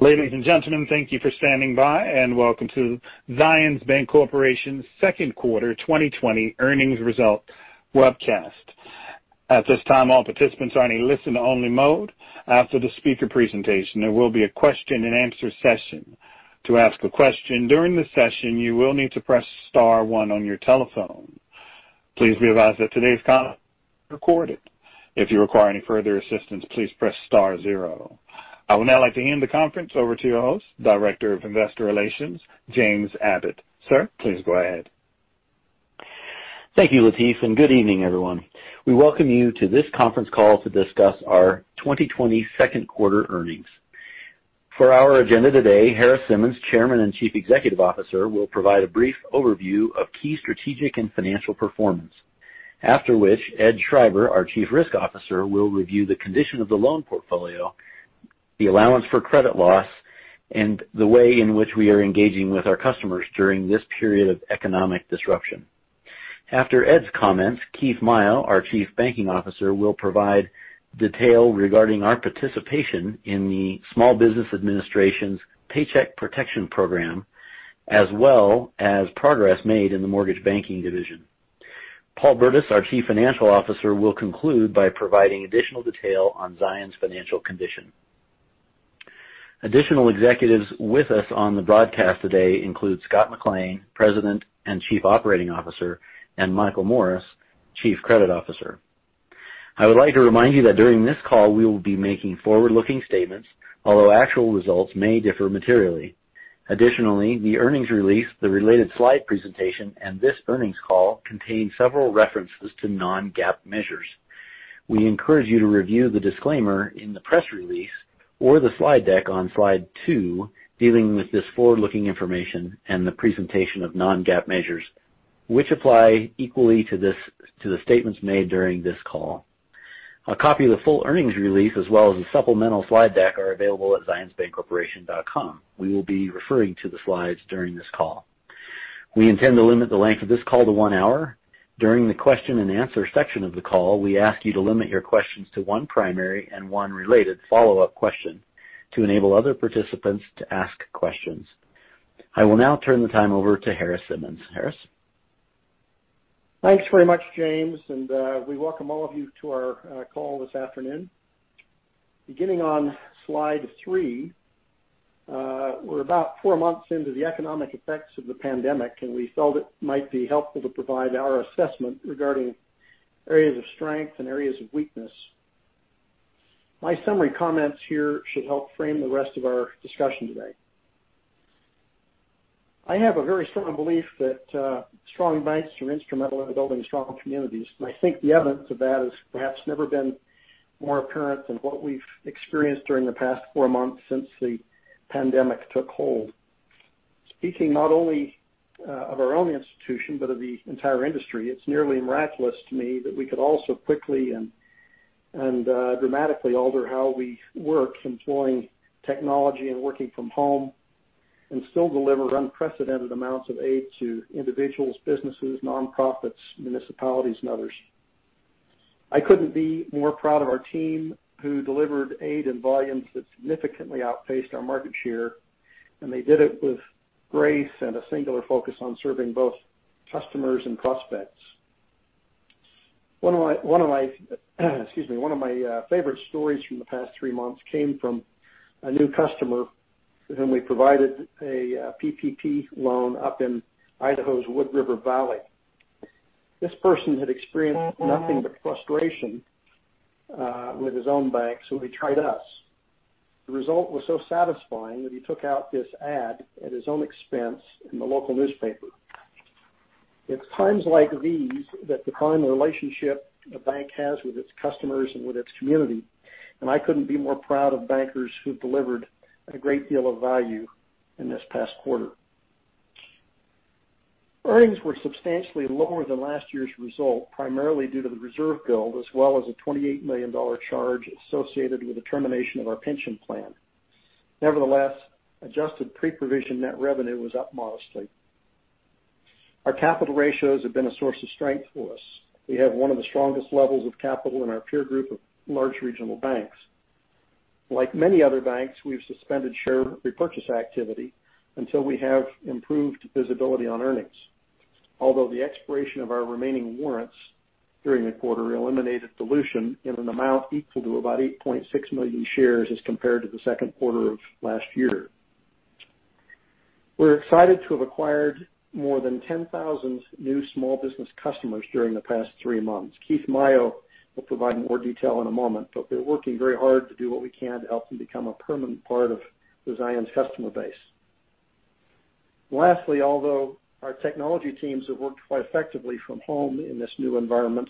Ladies and gentlemen, thank you for standing by, welcome to Zions Bancorporation's second quarter 2020 earnings result webcast. At this time, all participants are in a listen-only mode. After the speaker presentation, there will be a question and answer session. To ask a question during the session, you will need to press star 1 on your telephone. Please be advised that today's call is recorded. If you require any further assistance, please press star 0. I would now like to hand the conference over to your host, Director of Investor Relations, James Abbott. Sir, please go ahead. Thank you, Lateef, and good evening, everyone. We welcome you to this conference call to discuss our 2020 second quarter earnings. For our agenda today, Harris Simmons, Chairman and Chief Executive Officer, will provide a brief overview of key strategic and financial performance. After which, Ed Schreiber, our Chief Risk Officer, will review the condition of the loan portfolio, the allowance for credit loss, and the way in which we are engaging with our customers during this period of economic disruption. After Ed's comments, Keith Maio, our Chief Banking Officer, will provide detail regarding our participation in the Small Business Administration's Paycheck Protection Program, as well as progress made in the mortgage banking division. Paul Burdiss, our Chief Financial Officer, will conclude by providing additional detail on Zions' financial condition. Additional executives with us on the broadcast today include Scott McLean, President and Chief Operating Officer, and Michael Morris, Chief Credit Officer. I would like to remind you that during this call, we will be making forward-looking statements, although actual results may differ materially. The earnings release, the related slide presentation, and this earnings call contain several references to non-GAAP measures. We encourage you to review the disclaimer in the press release or the slide deck on slide two dealing with this forward-looking information and the presentation of non-GAAP measures, which apply equally to the statements made during this call. A copy of the full earnings release, as well as a supplemental slide deck, are available at zionsbancorporation.com. We will be referring to the slides during this call. We intend to limit the length of this call to one hour. During the question and answer section of the call, we ask you to limit your questions to one primary and one related follow-up question to enable other participants to ask questions. I will now turn the time over to Harris Simmons. Harris? Thanks very much, James. We welcome all of you to our call this afternoon. Beginning on slide three, we're about four months into the economic effects of the pandemic, and we felt it might be helpful to provide our assessment regarding areas of strength and areas of weakness. My summary comments here should help frame the rest of our discussion today. I have a very strong belief that strong banks are instrumental in building strong communities, and I think the evidence of that has perhaps never been more apparent than what we've experienced during the past four months since the pandemic took hold. Speaking not only of our own institution, but of the entire industry, it's nearly miraculous to me that we could all so quickly and dramatically alter how we work employing technology and working from home, and still deliver unprecedented amounts of aid to individuals, businesses, nonprofits, municipalities, and others. I couldn't be more proud of our team who delivered aid in volumes that significantly outpaced our market share, and they did it with grace and a singular focus on serving both customers and prospects. One of my favorite stories from the past three months came from a new customer to whom we provided a PPP loan up in Idaho's Wood River Valley. This person had experienced nothing but frustration with his own bank, so he tried us. The result was so satisfying that he took out this ad at his own expense in the local newspaper. It's times like these that define the relationship a bank has with its customers and with its community, and I couldn't be more proud of bankers who've delivered a great deal of value in this past quarter. Earnings were substantially lower than last year's result, primarily due to the reserve build, as well as a $28 million charge associated with the termination of our pension plan. Nevertheless, adjusted pre-provision net revenue was up modestly. Our capital ratios have been a source of strength for us. We have one of the strongest levels of capital in our peer group of large regional banks. Like many other banks, we've suspended share repurchase activity until we have improved visibility on earnings. Although the expiration of our remaining warrants during the quarter eliminated dilution in an amount equal to about 8.6 million shares as compared to the second quarter of last year. We're excited to have acquired more than 10,000 new small business customers during the past three months. Keith Maio will provide more detail in a moment. We're working very hard to do what we can to help them become a permanent part of the Zions customer base. Lastly, although our technology teams have worked quite effectively from home in this new environment,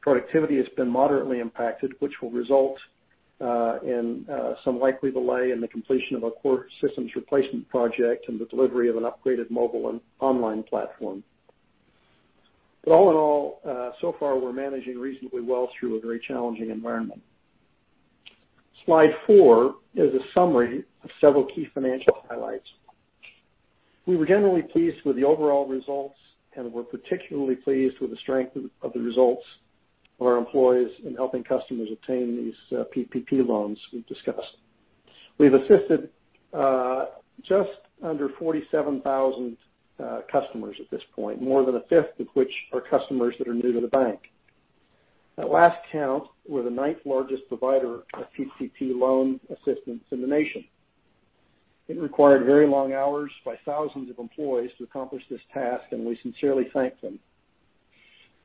productivity has been moderately impacted, which will result in some likely delay in the completion of a core systems replacement project and the delivery of an upgraded mobile and online platform. All in all, so far we're managing reasonably well through a very challenging environment. Slide four is a summary of several key financial highlights. We were generally pleased with the overall results, and we're particularly pleased with the strength of the results of our employees in helping customers obtain these PPP loans we've discussed. We've assisted just under 47,000 customers at this point, more than a fifth of which are customers that are new to the bank. At last count, we're the ninth-largest provider of PPP loan assistance in the nation. It required very long hours by thousands of employees to accomplish this task, and we sincerely thank them.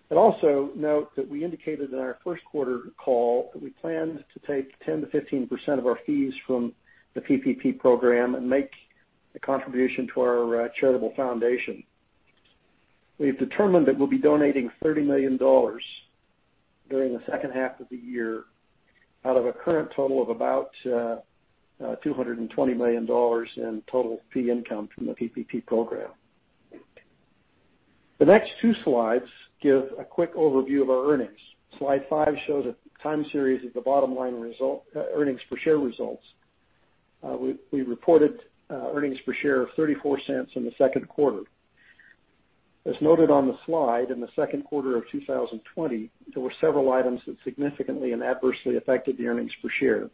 I'd also note that we indicated in our first quarter call that we planned to take 10%-15% of our fees from the PPP program and make a contribution to our charitable foundation. We've determined that we'll be donating $30 million during the second half of the year out of a current total of about $220 million in total fee income from the PPP program. The next two slides give a quick overview of our earnings. Slide five shows a time series of the bottom line earnings per share results. We reported earnings per share of $0.34 in the second quarter. As noted on the slide, in the second quarter of 2020, there were several items that significantly and adversely affected the earnings per share,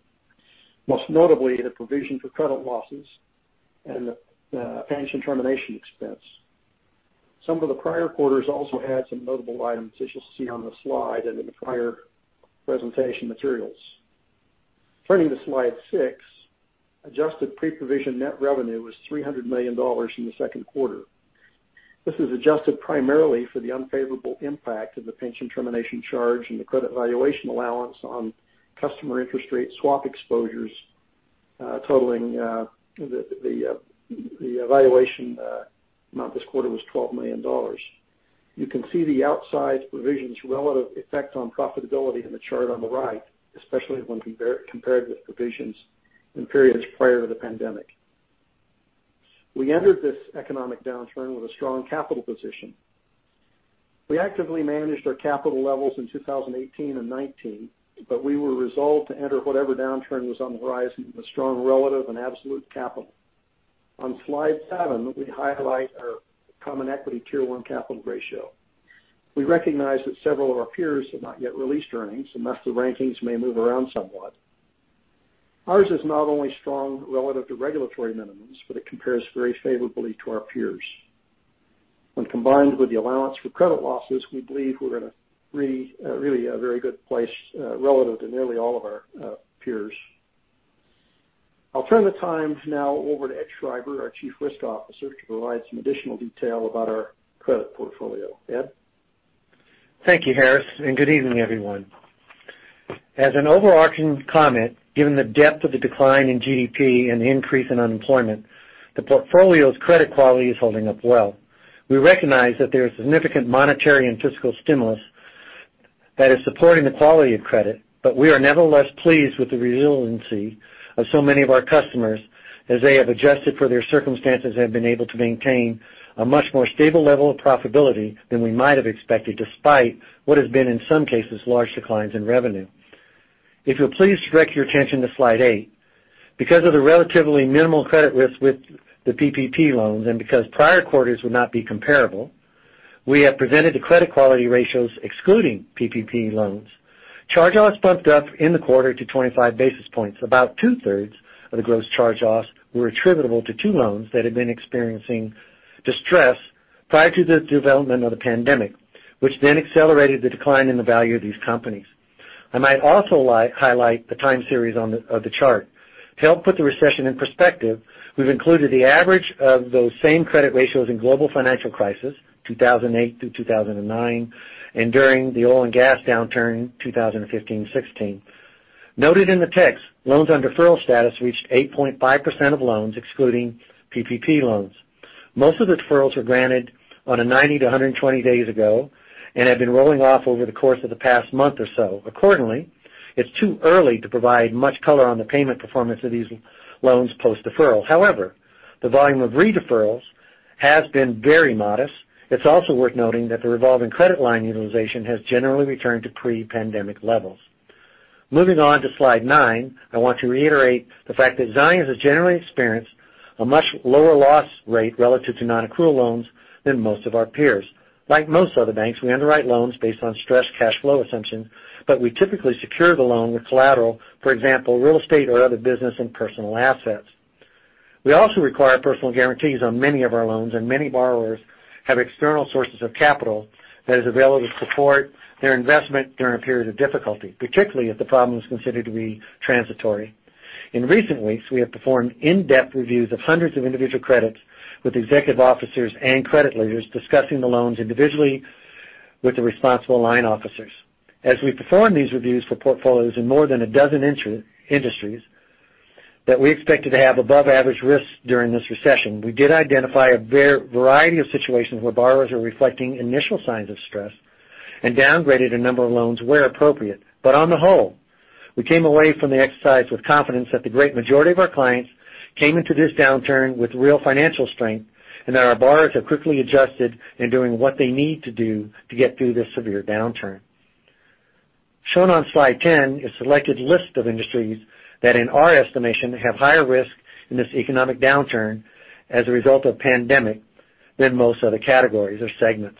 most notably the provision for credit losses and the pension termination expense. Some of the prior quarters also had some notable items, as you'll see on the slide and in the prior presentation materials. Turning to slide six, adjusted pre-provision net revenue was $300 million in the second quarter. This is adjusted primarily for the unfavorable impact of the pension termination charge and the credit valuation allowance on customer interest rate swap exposures. The valuation amount this quarter was $12 million. You can see the outsized provisions' relative effect on profitability in the chart on the right, especially when compared with provisions in periods prior to the pandemic. We entered this economic downturn with a strong capital position. We actively managed our capital levels in 2018 and 2019, but we were resolved to enter whatever downturn was on the horizon with strong relative and absolute capital. On slide seven, we highlight our Common Equity Tier 1 capital ratio. We recognize that several of our peers have not yet released earnings, and thus the rankings may move around somewhat. Ours is not only strong relative to regulatory minimums, but it compares very favorably to our peers. When combined with the allowance for credit losses, we believe we're in a really very good place relative to nearly all of our peers. I'll turn the time now over to Ed Schreiber, our Chief Risk Officer, to provide some additional detail about our credit portfolio. Ed? Thank you, Harris, and good evening, everyone. As an overarching comment, given the depth of the decline in GDP and the increase in unemployment, the portfolio's credit quality is holding up well. We recognize that there is significant monetary and fiscal stimulus that is supporting the quality of credit, but we are nevertheless pleased with the resiliency of so many of our customers as they have adjusted for their circumstances and have been able to maintain a much more stable level of profitability than we might have expected, despite what has been, in some cases, large declines in revenue. If you'll please direct your attention to slide eight. Because of the relatively minimal credit risk with the PPP loans and because prior quarters would not be comparable, we have presented the credit quality ratios excluding PPP loans. Charge-offs bumped up in the quarter to 25 basis points. About two-thirds of the gross charge-offs were attributable to two loans that had been experiencing distress prior to the development of the pandemic, which then accelerated the decline in the value of these companies. I might also highlight the time series of the chart. To help put the recession in perspective, we've included the average of those same credit ratios in global financial crisis 2008 through 2009 and during the oil and gas downturn 2015-2016. Noted in the text, loans under deferral status reached 8.5% of loans excluding PPP loans. Most of the deferrals were granted on a 90 to 120 days ago and have been rolling off over the course of the past month or so. Accordingly, it's too early to provide much color on the payment performance of these loans post-deferral. However, the volume of re-deferrals has been very modest. It is also worth noting that the revolving credit line utilization has generally returned to pre-pandemic levels. Moving on to slide nine, I want to reiterate the fact that Zions has generally experienced a much lower loss rate relative to non-accrual loans than most of our peers. Like most other banks, we underwrite loans based on stress cash flow assumptions, but we typically secure the loan with collateral, for example, real estate or other business and personal assets. We also require personal guarantees on many of our loans, and many borrowers have external sources of capital that is available to support their investment during a period of difficulty, particularly if the problem is considered to be transitory. In recent weeks, we have performed in-depth reviews of hundreds of individual credits with executive officers and credit leaders discussing the loans individually with the responsible line officers. As we perform these reviews for portfolios in more than 12 industries that we expected to have above-average risks during this recession, we did identify a variety of situations where borrowers are reflecting initial signs of stress and downgraded a number of loans where appropriate. On the whole, we came away from the exercise with confidence that the great majority of our clients came into this downturn with real financial strength and that our borrowers have quickly adjusted in doing what they need to do to get through this severe downturn. Shown on slide 10 is selected list of industries that, in our estimation, have higher risk in this economic downturn as a result of pandemic than most other categories or segments.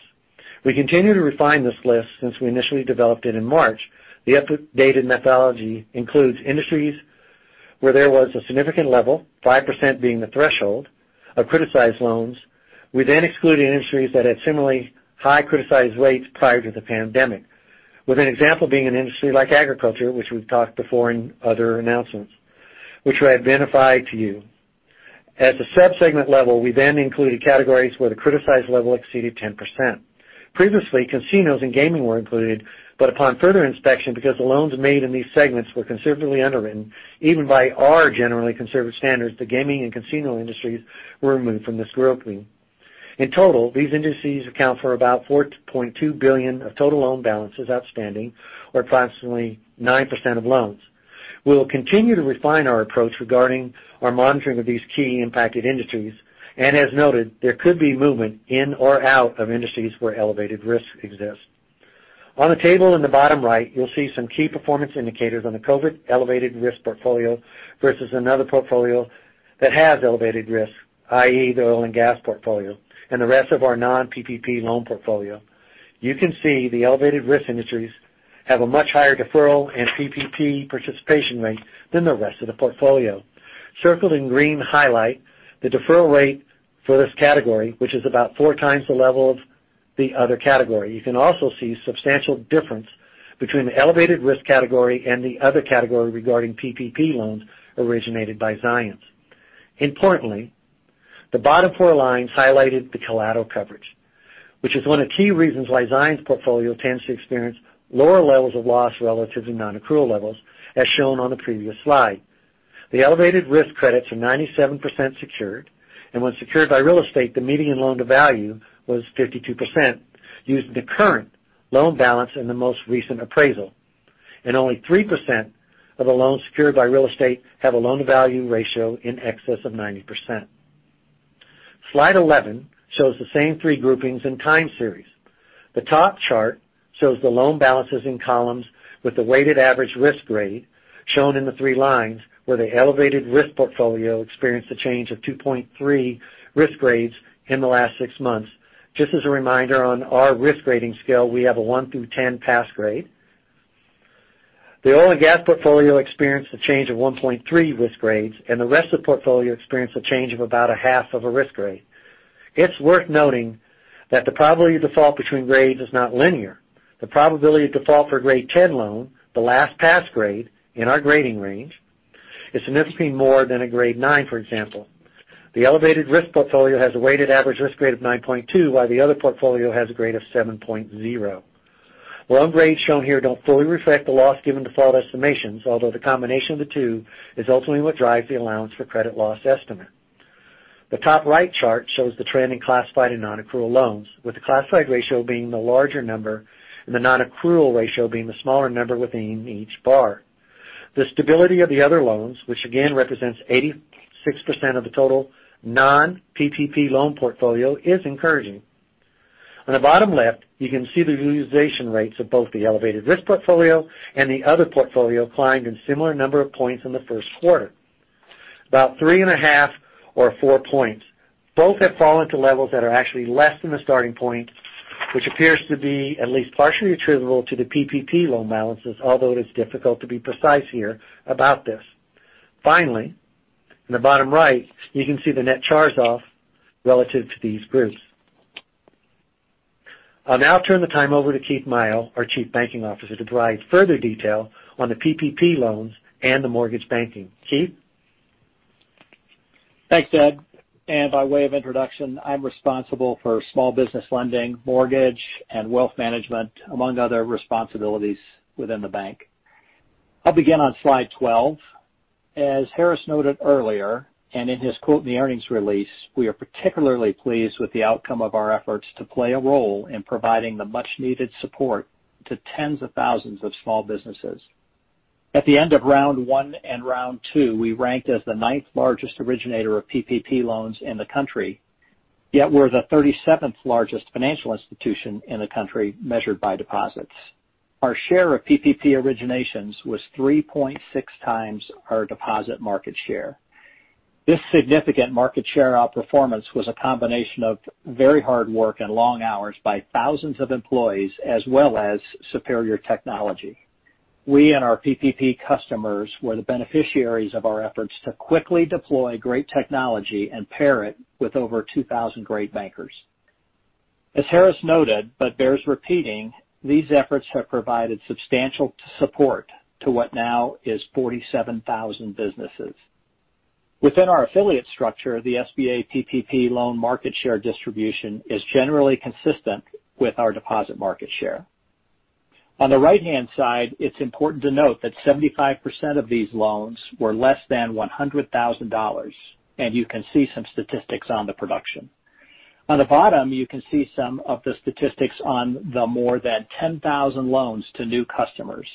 We continue to refine this list since we initially developed it in March. The updated methodology includes industries where there was a significant level, 5% being the threshold, of criticized loans. We excluded industries that had similarly high criticized rates prior to the pandemic, with an example being an industry like agriculture, which we've talked before in other announcements, which I identify to you. At the sub-segment level, we included categories where the criticized level exceeded 10%. Previously, casinos and gaming were included, upon further inspection, because the loans made in these segments were considerably underwritten even by our generally conservative standards, the gaming and casino industries were removed from this grouping. In total, these indices account for about $4.2 billion of total loan balances outstanding, or approximately 9% of loans. We will continue to refine our approach regarding our monitoring of these key impacted industries, and as noted, there could be movement in or out of industries where elevated risk exists. On the table in the bottom right, you'll see some key performance indicators on the COVID elevated risk portfolio versus another portfolio that has elevated risk, i.e., the oil and gas portfolio, and the rest of our non-PPP loan portfolio. You can see the elevated risk industries have a much higher deferral and PPP participation rate than the rest of the portfolio. Circled in green highlight the deferral rate for this category, which is about four times the level of the other category. You can also see substantial difference between the elevated risk category and the other category regarding PPP loans originated by Zions. Importantly, the bottom four lines highlighted the collateral coverage, which is one of the key reasons why Zions portfolio tends to experience lower levels of loss relative to non-accrual levels, as shown on the previous slide. The elevated risk credits are 97% secured, and when secured by real estate, the median loan-to-value was 52%, using the current loan balance in the most recent appraisal, and only 3% of the loans secured by real estate have a loan-to-value ratio in excess of 90%. Slide 11 shows the same three groupings and time series. The top chart shows the loan balances in columns with the weighted average risk grade shown in the three lines, where the elevated risk portfolio experienced a change of 2.3 risk grades in the last six months. Just as a reminder, on our risk grading scale, we have a 1 through 10 pass grade. The oil and gas portfolio experienced a change of 1.3 risk grades, and the rest of the portfolio experienced a change of about a half of a risk grade. It's worth noting that the probability of default between grades is not linear. The probability of default for grade 10 loan, the last pass grade in our grading range, is significantly more than a grade 9, for example. The elevated risk portfolio has a weighted average risk grade of 9.2, while the other portfolio has a grade of 7.0. Loan grades shown here don't fully reflect the loss given default estimations, although the combination of the two is ultimately what drives the allowance for credit loss estimate. The top right chart shows the trend in classified and non-accrual loans, with the classified ratio being the larger number and the non-accrual ratio being the smaller number within each bar. The stability of the other loans, which again represents 86% of the total non-PPP loan portfolio, is encouraging. On the bottom left, you can see the utilization rates of both the elevated risk portfolio and the other portfolio climbed in similar number of points in the first quarter, about 3.5 or 4 points. Both have fallen to levels that are actually less than the starting point, which appears to be at least partially attributable to the PPP loan balances, although it is difficult to be precise here about this. Finally, in the bottom right, you can see the net charge-off relative to these groups. I'll now turn the time over to Keith Maio, our Chief Banking Officer, to provide further detail on the PPP loans and the mortgage banking. Keith? Thanks, Ed. By way of introduction, I'm responsible for small business lending, mortgage, and wealth management, among other responsibilities within the bank. I'll begin on slide 12. As Harris noted earlier, and in his quote in the earnings release, we are particularly pleased with the outcome of our efforts to play a role in providing the much-needed support to tens of thousands of small businesses. At the end of round 1 and round 2, we ranked as the ninth-largest originator of PPP loans in the country. We're the 37th largest financial institution in the country, measured by deposits. Our share of PPP originations was 3.6 times our deposit market share. This significant market share outperformance was a combination of very hard work and long hours by thousands of employees, as well as superior technology. We and our PPP customers were the beneficiaries of our efforts to quickly deploy great technology and pair it with over 2,000 great bankers. As Harris noted, but bears repeating, these efforts have provided substantial support to what now is 47,000 businesses. Within our affiliate structure, the SBA PPP loan market share distribution is generally consistent with our deposit market share. On the right-hand side, it's important to note that 75% of these loans were less than $100,000, and you can see some statistics on the production. On the bottom, you can see some of the statistics on the more than 10,000 loans to new customers,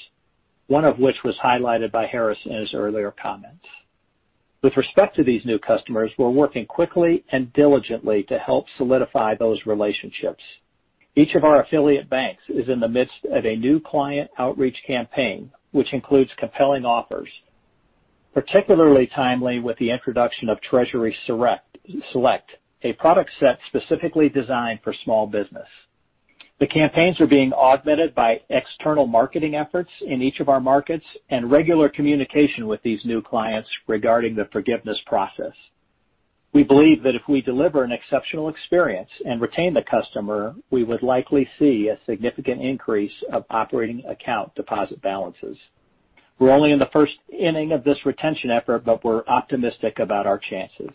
one of which was highlighted by Harris in his earlier comments. With respect to these new customers, we're working quickly and diligently to help solidify those relationships. Each of our affiliate banks is in the midst of a new client outreach campaign, which includes compelling offers, particularly timely with the introduction of Treasury Management Select, a product set specifically designed for small business. The campaigns are being augmented by external marketing efforts in each of our markets and regular communication with these new clients regarding the forgiveness process. We believe that if we deliver an exceptional experience and retain the customer, we would likely see a significant increase of operating account deposit balances. We're only in the first inning of this retention effort, but we're optimistic about our chances.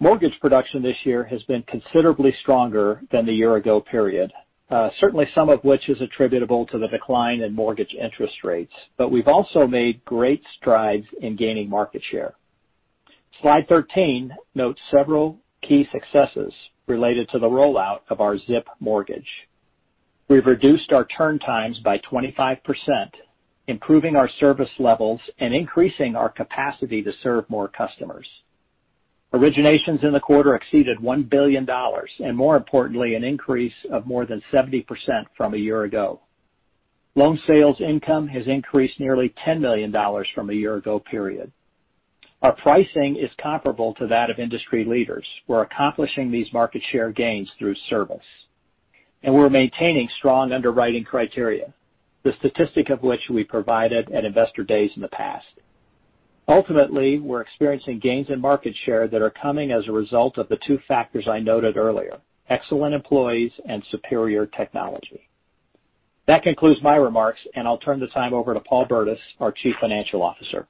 Mortgage production this year has been considerably stronger than the year ago period, certainly some of which is attributable to the decline in mortgage interest rates. We've also made great strides in gaining market share. Slide 13 notes several key successes related to the rollout of our Zip Mortgage. We've reduced our turn times by 25%, improving our service levels and increasing our capacity to serve more customers. Originations in the quarter exceeded $1 billion, more importantly, an increase of more than 70% from a year-ago. Loan sales income has increased nearly $10 million from a year-ago period. Our pricing is comparable to that of industry leaders. We're accomplishing these market share gains through service, we're maintaining strong underwriting criteria, the statistic of which we provided at Investor Days in the past. Ultimately, we're experiencing gains in market share that are coming as a result of the two factors I noted earlier: excellent employees and superior technology. That concludes my remarks, I'll turn the time over to Paul E. Burdiss, our Chief Financial Officer.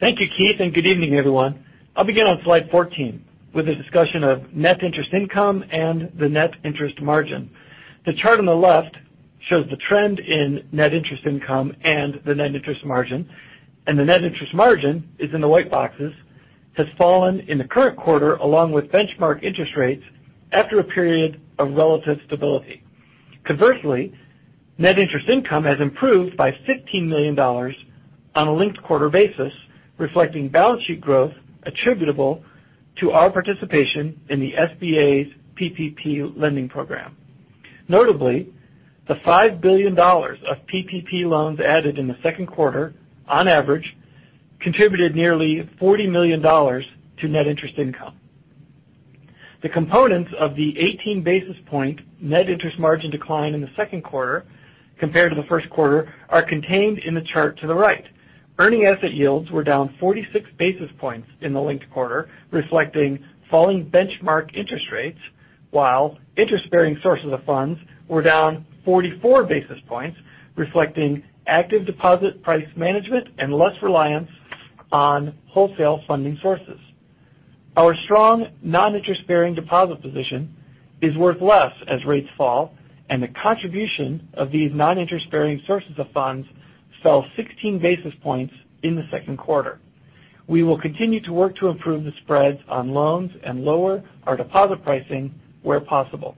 Thank you, Keith, good evening, everyone. I'll begin on slide 14 with a discussion of net interest income and the net interest margin. The chart on the left shows the trend in net interest income and the net interest margin. The net interest margin is in the white boxes, has fallen in the current quarter along with benchmark interest rates after a period of relative stability. Conversely, net interest income has improved by $15 million on a linked-quarter basis, reflecting balance sheet growth attributable to our participation in the SBA's PPP lending program. Notably, the $5 billion of PPP loans added in the second quarter, on average, contributed nearly $40 million to net interest income. The components of the 18-basis point net interest margin decline in the second quarter compared to the first quarter are contained in the chart to the right. Earning asset yields were down 46 basis points in the linked quarter, reflecting falling benchmark interest rates, while interest-bearing sources of funds were down 44 basis points, reflecting active deposit price management and less reliance on wholesale funding sources. Our strong non-interest-bearing deposit position is worth less as rates fall, and the contribution of these non-interest-bearing sources of funds fell 16 basis points in the second quarter. We will continue to work to improve the spreads on loans and lower our deposit pricing where possible.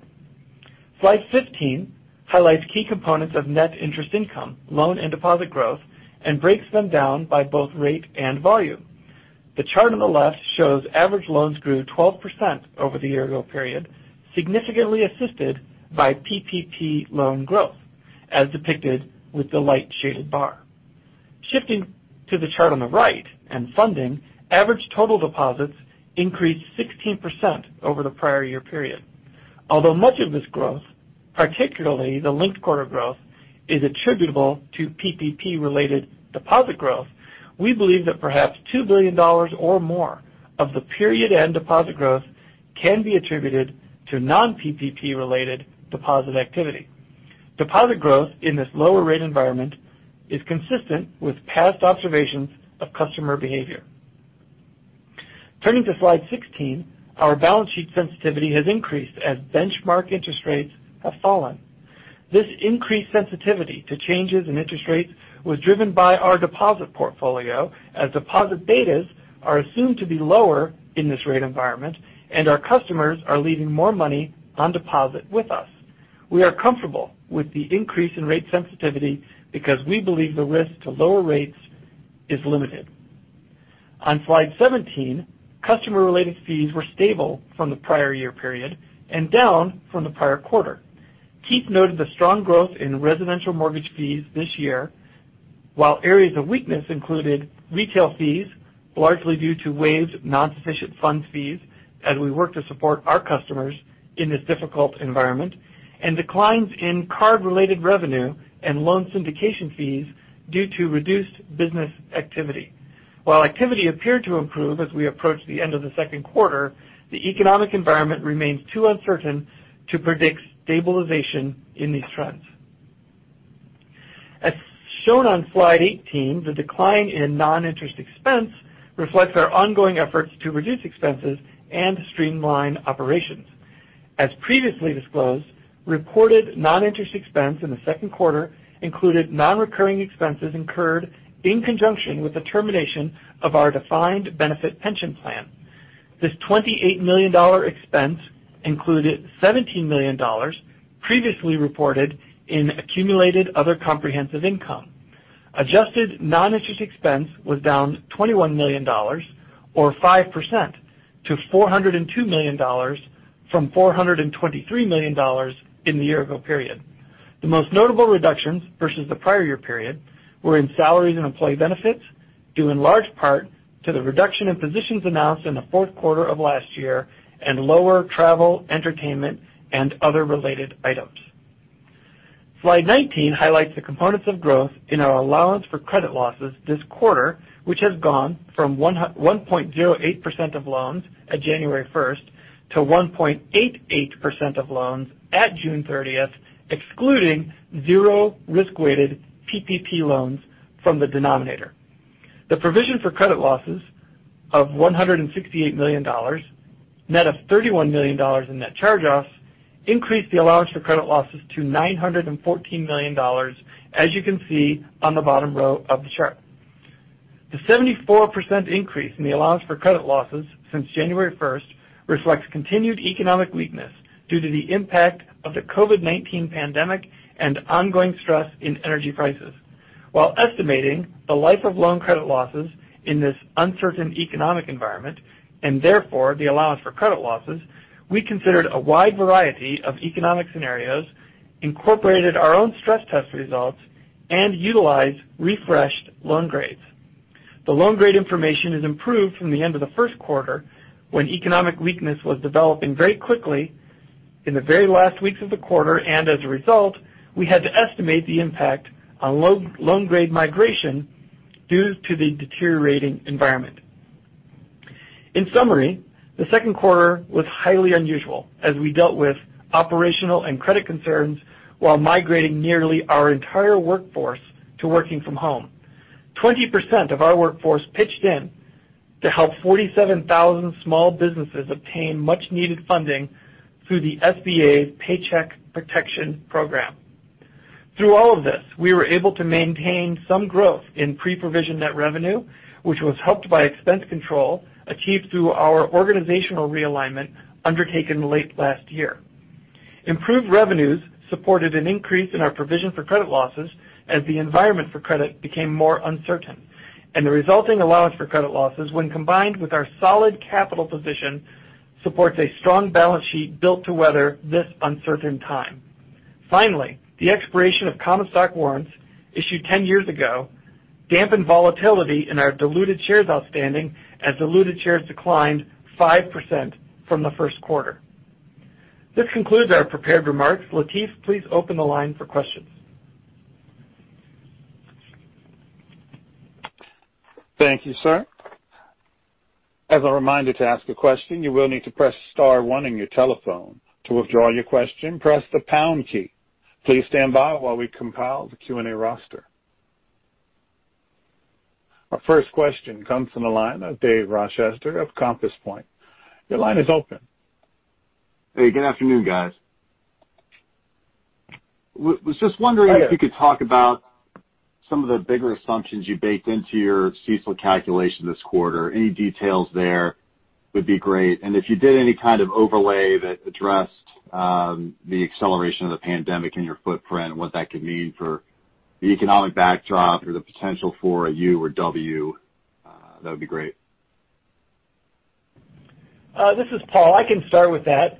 Slide 15 highlights key components of net interest income, loan, and deposit growth and breaks them down by both rate and volume. The chart on the left shows average loans grew 12% over the year-ago period, significantly assisted by PPP loan growth, as depicted with the light shaded bar. Shifting to the chart on the right and funding, average total deposits increased 16% over the prior-year period. Although much of this growth, particularly the linked quarter growth, is attributable to PPP-related deposit growth, we believe that perhaps $2 billion or more of the period-end deposit growth can be attributed to non-PPP related deposit activity. Deposit growth in this lower rate environment is consistent with past observations of customer behavior. Turning to slide 16, our balance sheet sensitivity has increased as benchmark interest rates have fallen. This increased sensitivity to changes in interest rates was driven by our deposit portfolio, as deposit betas are assumed to be lower in this rate environment and our customers are leaving more money on deposit with us. We are comfortable with the increase in rate sensitivity because we believe the risk to lower rates is limited. On slide 17, customer-related fees were stable from the prior year period and down from the prior quarter. Keith noted the strong growth in residential mortgage fees this year, while areas of weakness included retail fees, largely due to waived non-sufficient funds fees as we work to support our customers in this difficult environment, and declines in card-related revenue and loan syndication fees due to reduced business activity. While activity appeared to improve as we approach the end of the second quarter, the economic environment remains too uncertain to predict stabilization in these trends. As shown on slide 18, the decline in non-interest expense reflects our ongoing efforts to reduce expenses and streamline operations. As previously disclosed, reported non-interest expense in the second quarter included non-recurring expenses incurred in conjunction with the termination of our defined benefit pension plan. This $28 million expense included $17 million previously reported in accumulated other comprehensive income. Adjusted non-interest expense was down $21 million or 5% to $402 million from $423 million in the year-ago period. The most notable reductions versus the prior year period were in salaries and employee benefits, due in large part to the reduction in positions announced in the fourth quarter of last year and lower travel, entertainment, and other related items. Slide 19 highlights the components of growth in our allowance for credit losses this quarter, which has gone from 1.08% of loans at January 1st to 1.88% of loans at June 30th, excluding zero risk-weighted PPP loans from the denominator. The provision for credit losses of $168 million, net of $31 million in net charge-offs, increased the allowance for credit losses to $914 million, as you can see on the bottom row of the chart. The 74% increase in the allowance for credit losses since January 1st reflects continued economic weakness due to the impact of the COVID-19 pandemic and ongoing stress in energy prices. While estimating the life of loan credit losses in this uncertain economic environment, and therefore the allowance for credit losses, we considered a wide variety of economic scenarios, incorporated our own stress test results, and utilized refreshed loan grades. The loan grade information has improved from the end of the first quarter, when economic weakness was developing very quickly in the very last weeks of the quarter, and as a result, we had to estimate the impact on loan grade migration due to the deteriorating environment. In summary, the second quarter was highly unusual as we dealt with operational and credit concerns while migrating nearly our entire workforce to working from home. 20% of our workforce pitched in to help 47,000 small businesses obtain much-needed funding through the SBA's Paycheck Protection Program. Through all of this, we were able to maintain some growth in pre-provision net revenue, which was helped by expense control achieved through our organizational realignment undertaken late last year. Improved revenues supported an increase in our provision for credit losses as the environment for credit became more uncertain, and the resulting allowance for credit losses, when combined with our solid capital position, supports a strong balance sheet built to weather this uncertain time. Finally, the expiration of common stock warrants issued 10 years ago dampened volatility in our diluted shares outstanding as diluted shares declined 5% from the first quarter. This concludes our prepared remarks. Lateef, please open the line for questions. Thank you, sir. As a reminder to ask a question, you will need to press star one on your telephone. To withdraw your question, press the pound key. Please stand by while we compile the Q&A roster. Our first question comes from the line of Dave Rochester of Compass Point. Your line is open. Hey, good afternoon, guys. was just wondering. Ed If you could talk about some of the bigger assumptions you baked into your CECL calculation this quarter. Any details there would be great. If you did any kind of overlay that addressed the acceleration of the pandemic in your footprint and what that could mean for the economic backdrop or the potential for a U or W, that would be great. This is Paul. I can start with that,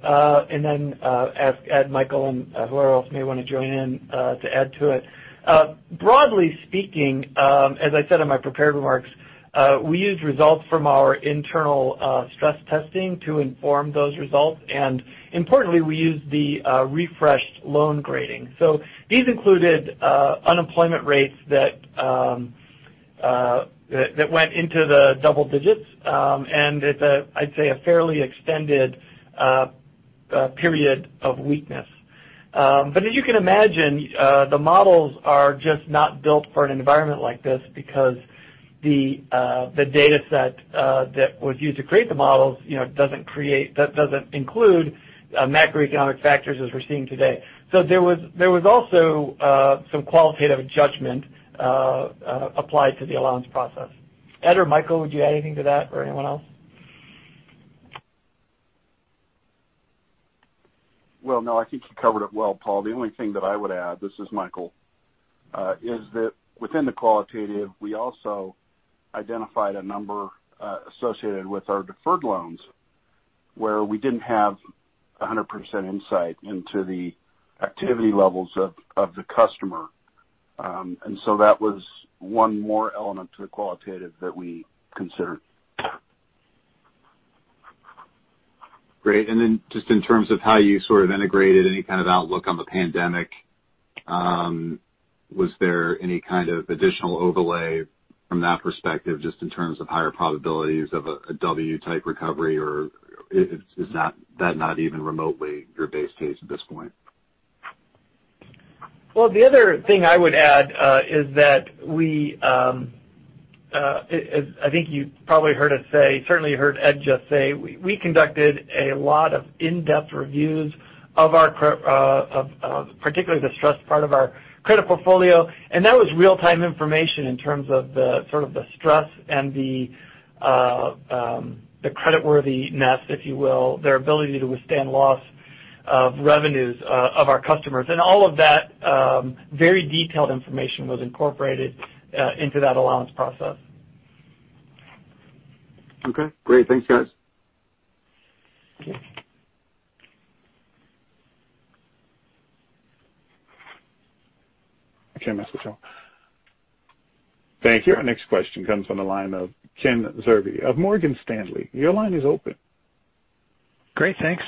and then, ask Ed, Michael, and whoever else may want to join in to add to it. Broadly speaking, as I said in my prepared remarks, we used results from our internal stress testing to inform those results, and importantly, we used the refreshed loan grading. These included unemployment rates that went into the double digits, and it's a, I'd say, a fairly extended period of weakness. As you can imagine, the models are just not built for an environment like this because the dataset that was used to create the models doesn't include macroeconomic factors as we're seeing today. There was also some qualitative judgment applied to the allowance process. Ed or Michael, would you add anything to that or anyone else? Well, no, I think you covered it well, Paul. The only thing that I would add, this is Michael, is that within the qualitative, we also identified a number associated with our deferred loans where we didn't have 100% insight into the activity levels of the customer. That was one more element to the qualitative that we considered. Great. Just in terms of how you sort of integrated any kind of outlook on the pandemic, was there any kind of additional overlay from that perspective, just in terms of higher probabilities of a W-type recovery? Is that not even remotely your base case at this point? Well, the other thing I would add is I think you probably heard us say, certainly heard Ed just say, we conducted a lot of in-depth reviews of particularly the stressed part of our credit portfolio, and that was real-time information in terms of the sort of the stress and the creditworthiness, if you will, their ability to withstand loss of revenues of our customers. All of that very detailed information was incorporated into that allowance process. Okay, great. Thanks, guys. Okay. Okay, Mr. Shaw. Thank you. Our next question comes from the line of Kenneth Zerbe of Morgan Stanley. Your line is open. Great, thanks.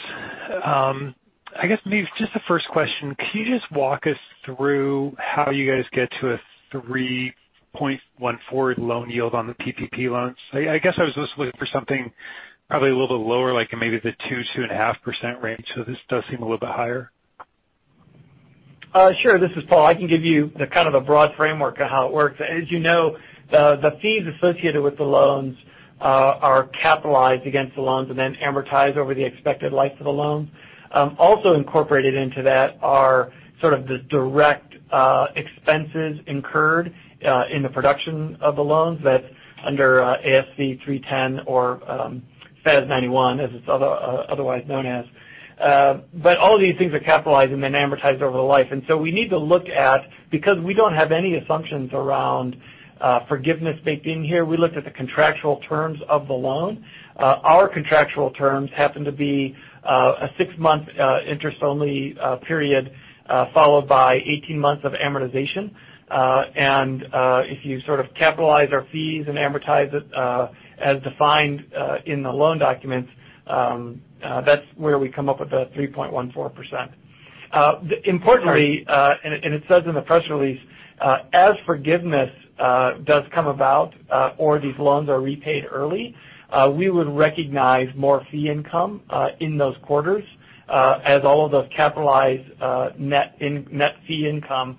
I guess maybe just the first question, can you just walk us through how you guys get to a 3.14 loan yield on the PPP loans? I guess I was just looking for something probably a little bit lower, like maybe the 2.5% range. This does seem a little bit higher. Sure. This is Paul. I can give you the kind of a broad framework of how it works. As you know, the fees associated with the loans are capitalized against the loans and then amortized over the expected life of the loan. Also incorporated into that are sort of the direct expenses incurred in the production of the loans. That's under ASC 310 or FAS 91, as it's otherwise known as. All of these things are capitalized and then amortized over the life. We need to look at, because we don't have any assumptions around forgiveness baked in here, we looked at the contractual terms of the loan. Our contractual terms happen to be a six-month interest-only period followed by 18 months of amortization. If you sort of capitalize our fees and amortize it as defined in the loan documents, that's where we come up with the 3.14%. Importantly, it says in the press release, as forgiveness does come about or these loans are repaid early, we would recognize more fee income in those quarters as all of those capitalized net fee income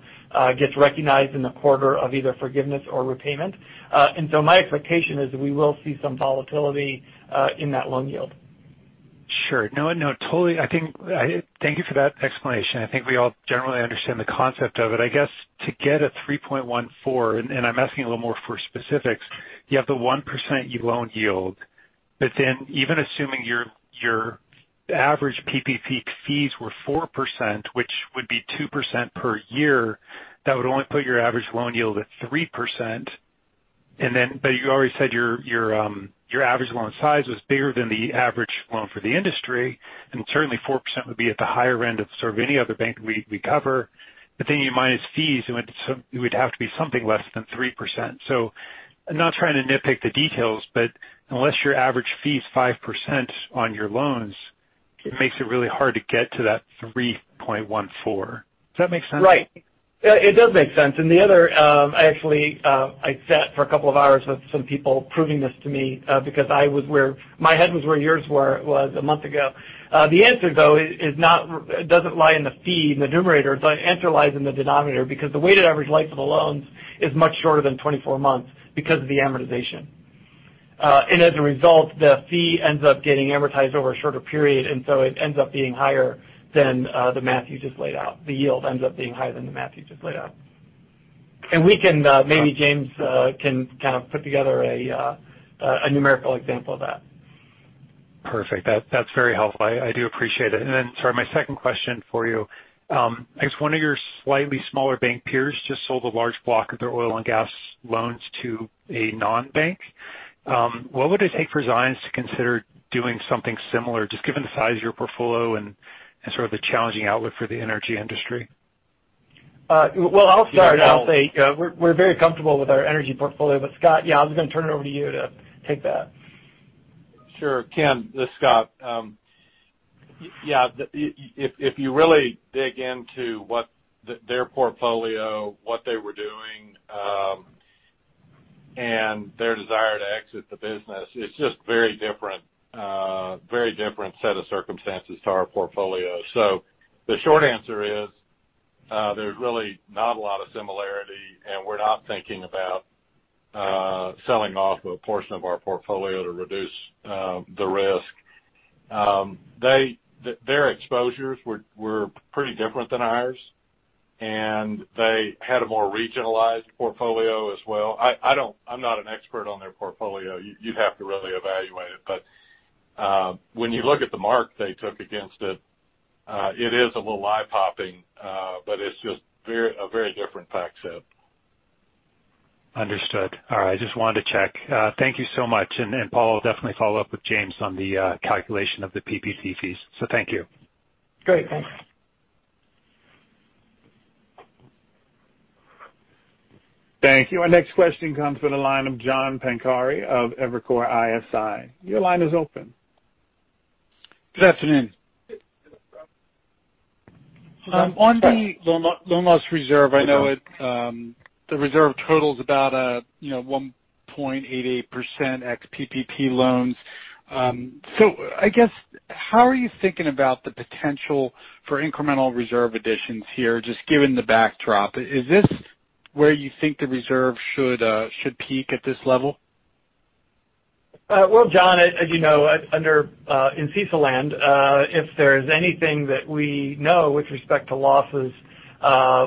gets recognized in the quarter of either forgiveness or repayment. My expectation is we will see some volatility in that loan yield. Sure. No, totally. Thank you for that explanation. I think we all generally understand the concept of it. I guess to get a 3.14, I'm asking a little more for specifics, you have the 1% loan yield. Even assuming your average PPP fees were 4%, which would be 2% per year, that would only put your average loan yield at 3%. You already said your average loan size was bigger than the average loan for the industry. Certainly 4% would be at the higher end of sort of any other bank we cover. You minus fees, it would have to be something less than 3%. Not trying to nitpick the details, unless your average fee is 5% on your loans, it makes it really hard to get to that 3.14. Does that make sense? Right. It does make sense. The other, actually, I sat for a couple of hours with some people proving this to me because my head was where yours was a month ago. The answer, though, doesn't lie in the fee, in the numerator. The answer lies in the denominator because the weighted average life of the loans is much shorter than 24 months because of the amortization. As a result, the fee ends up getting amortized over a shorter period, and so it ends up being higher than the math you just laid out. The yield ends up being higher than the math you just laid out. Maybe James can kind of put together a numerical example of that. Perfect. That's very helpful. I do appreciate it. Sorry, my second question for you. I guess one of your slightly smaller bank peers just sold a large block of their oil and gas loans to a non-bank. What would it take for Zions to consider doing something similar, just given the size of your portfolio and sort of the challenging outlook for the energy industry? Well, I'll start. I'll say we're very comfortable with our energy portfolio. Scott, yeah, I was going to turn it over to you to take that. Sure. Ken, this is Scott. Yeah, if you really dig into their portfolio, what they were doing, and their desire to exit the business, it's just very different set of circumstances to our portfolio. The short answer is there's really not a lot of similarity, and we're not thinking about selling off a portion of our portfolio to reduce the risk. Their exposures were pretty different than ours, and they had a more regionalized portfolio as well. I'm not an expert on their portfolio. You'd have to really evaluate it, but when you look at the mark they took against it is a little eye-popping, but it's just a very different fact set. Understood. All right. Just wanted to check. Thank you so much. Paul, I'll definitely follow up with James on the calculation of the PPP fees. Thank you. Great, thanks. Thank you. Our next question comes from the line of John Pancari of Evercore ISI. Your line is open. Good afternoon. On the loan loss reserve, I know the reserve total's about 1.88% ex-PPP loans. I guess, how are you thinking about the potential for incremental reserve additions here, just given the backdrop? Is this where you think the reserve should peak at this level? Well, John, as you know in CECL land, if there's anything that we know with respect to losses,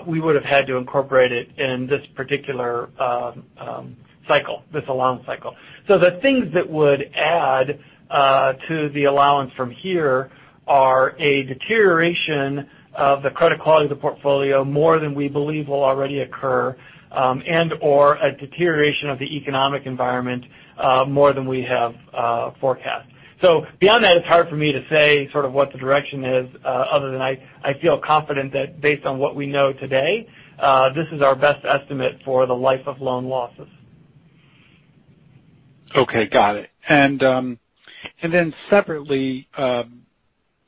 we would've had to incorporate it in this particular cycle, this allowance cycle. The things that would add to the allowance from here are a deterioration of the credit quality of the portfolio more than we believe will already occur, and/or a deterioration of the economic environment more than we have forecast. Beyond that, it's hard for me to say sort of what the direction is other than I feel confident that based on what we know today, this is our best estimate for the life of loan losses. Okay. Got it. Separately,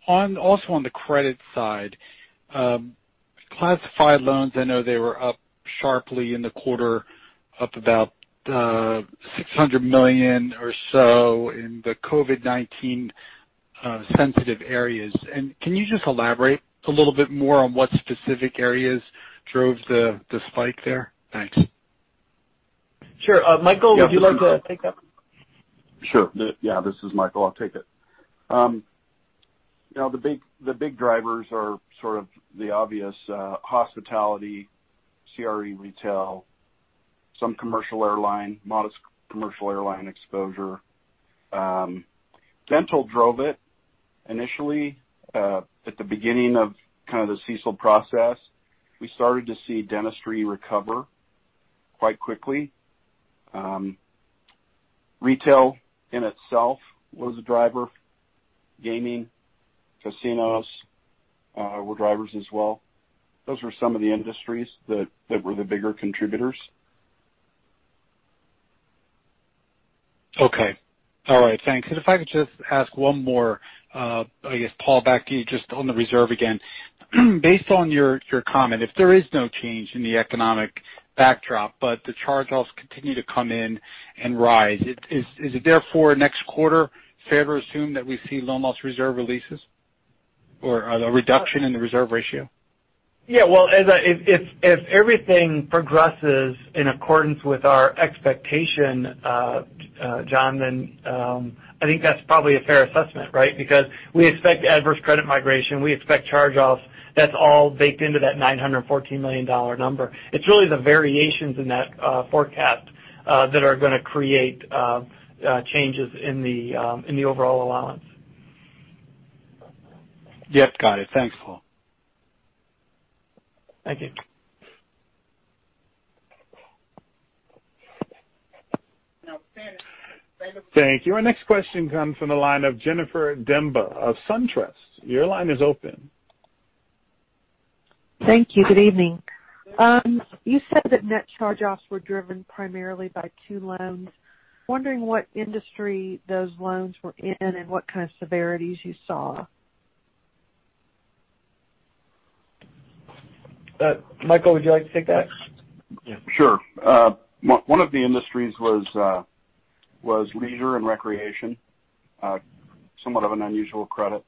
also on the credit side, classified loans, I know they were up sharply in the quarter, up about $600 million or so in the COVID-19 sensitive areas. Can you just elaborate a little bit more on what specific areas drove the spike there? Thanks. Sure. Michael, would you like to take that? Sure. Yeah. This is Michael. I'll take it. The big drivers are sort of the obvious hospitality, CRE retail, some commercial airline, modest commercial airline exposure. Dental drove it initially. At the beginning of kind of the CECL process, we started to see dentistry recover quite quickly. Retail in itself was a driver. Gaming, casinos were drivers as well. Those were some of the industries that were the bigger contributors. Okay. All right. Thanks. If I could just ask one more, I guess, Paul, back to you just on the reserve again. Based on your comment, if there is no change in the economic backdrop but the charge-offs continue to come in and rise, is it therefore next quarter fair to assume that we see loan loss reserve releases or a reduction in the reserve ratio? Yeah. Well, if everything progresses in accordance with our expectation, John, then I think that's probably a fair assessment, right? We expect adverse credit migration, we expect charge-offs. That's all baked into that $914 million number. It's really the variations in that forecast that are going to create changes in the overall allowance. Yes. Got it. Thanks, Paul. Thank you. Thank you. Our next question comes from the line of Jennifer Demba of SunTrust. Your line is open. Thank you. Good evening. You said that net charge-offs were driven primarily by two loans. Wondering what industry those loans were in and what kind of severities you saw? Michael, would you like to take that? Sure. One of the industries was leisure and recreation. Somewhat of an unusual credit.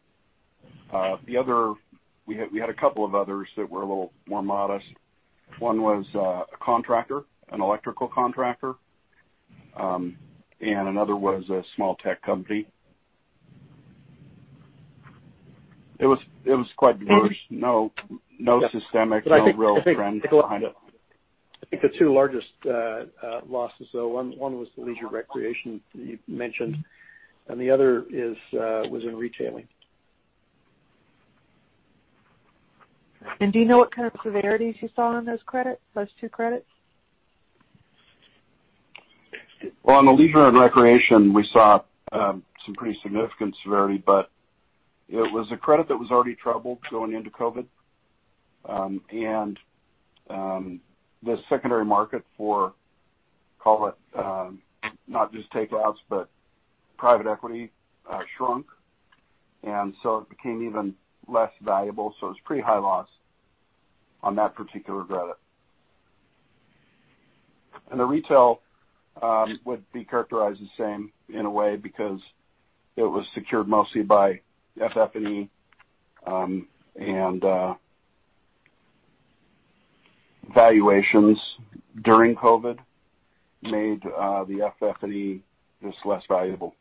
We had a couple of others that were a little more modest. One was a contractor, an electrical contractor, and another was a small tech company. It was quite diverse. No systemic, no real trend behind it. I think the two largest losses, though, one was the leisure recreation you mentioned, and the other was in retailing. Do you know what kind of severities you saw on those two credits? Well, on the leisure and recreation, we saw some pretty significant severity, but it was a credit that was already troubled going into COVID. The secondary market for, call it, not just takeouts, but private equity shrunk, and so it became even less valuable. It was pretty high loss on that particular credit. The retail would be characterized the same in a way because it was secured mostly by FF&E, and valuations during COVID made the FF&E just less valuable.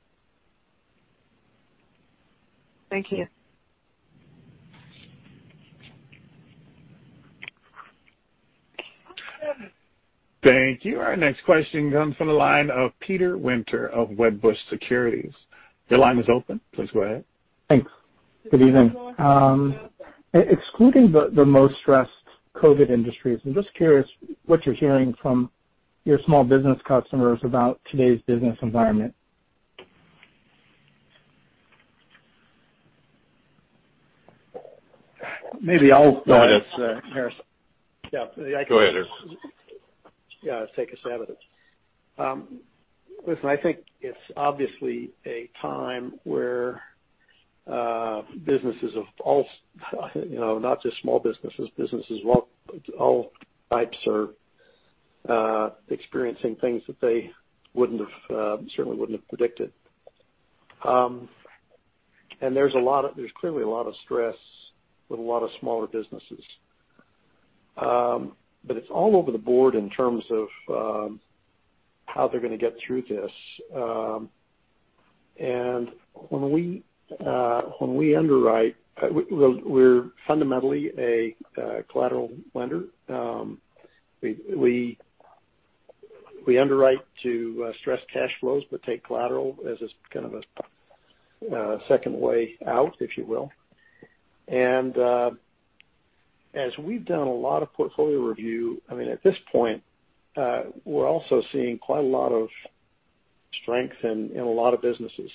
Thank you. Thank you. Our next question comes from the line of Peter Winter of Wedbush Securities. Your line is open. Please go ahead. Thanks. Good evening. Excluding the most stressed COVID industries, I'm just curious what you're hearing from your small business customers about today's business environment? Maybe I'll start it, Harris. Go ahead, Harrison. Yeah. Take a stab at it. Listen, I think it's obviously a time where businesses of all not just small businesses of all types are experiencing things that they certainly wouldn't have predicted. There's clearly a lot of stress with a lot of smaller businesses. It's all over the board in terms of how they're going to get through this. When we underwrite, we're fundamentally a collateral lender. We underwrite to stress cash flows, but take collateral as a kind of a second way out, if you will. As we've done a lot of portfolio review, at this point, we're also seeing quite a lot of strength in a lot of businesses.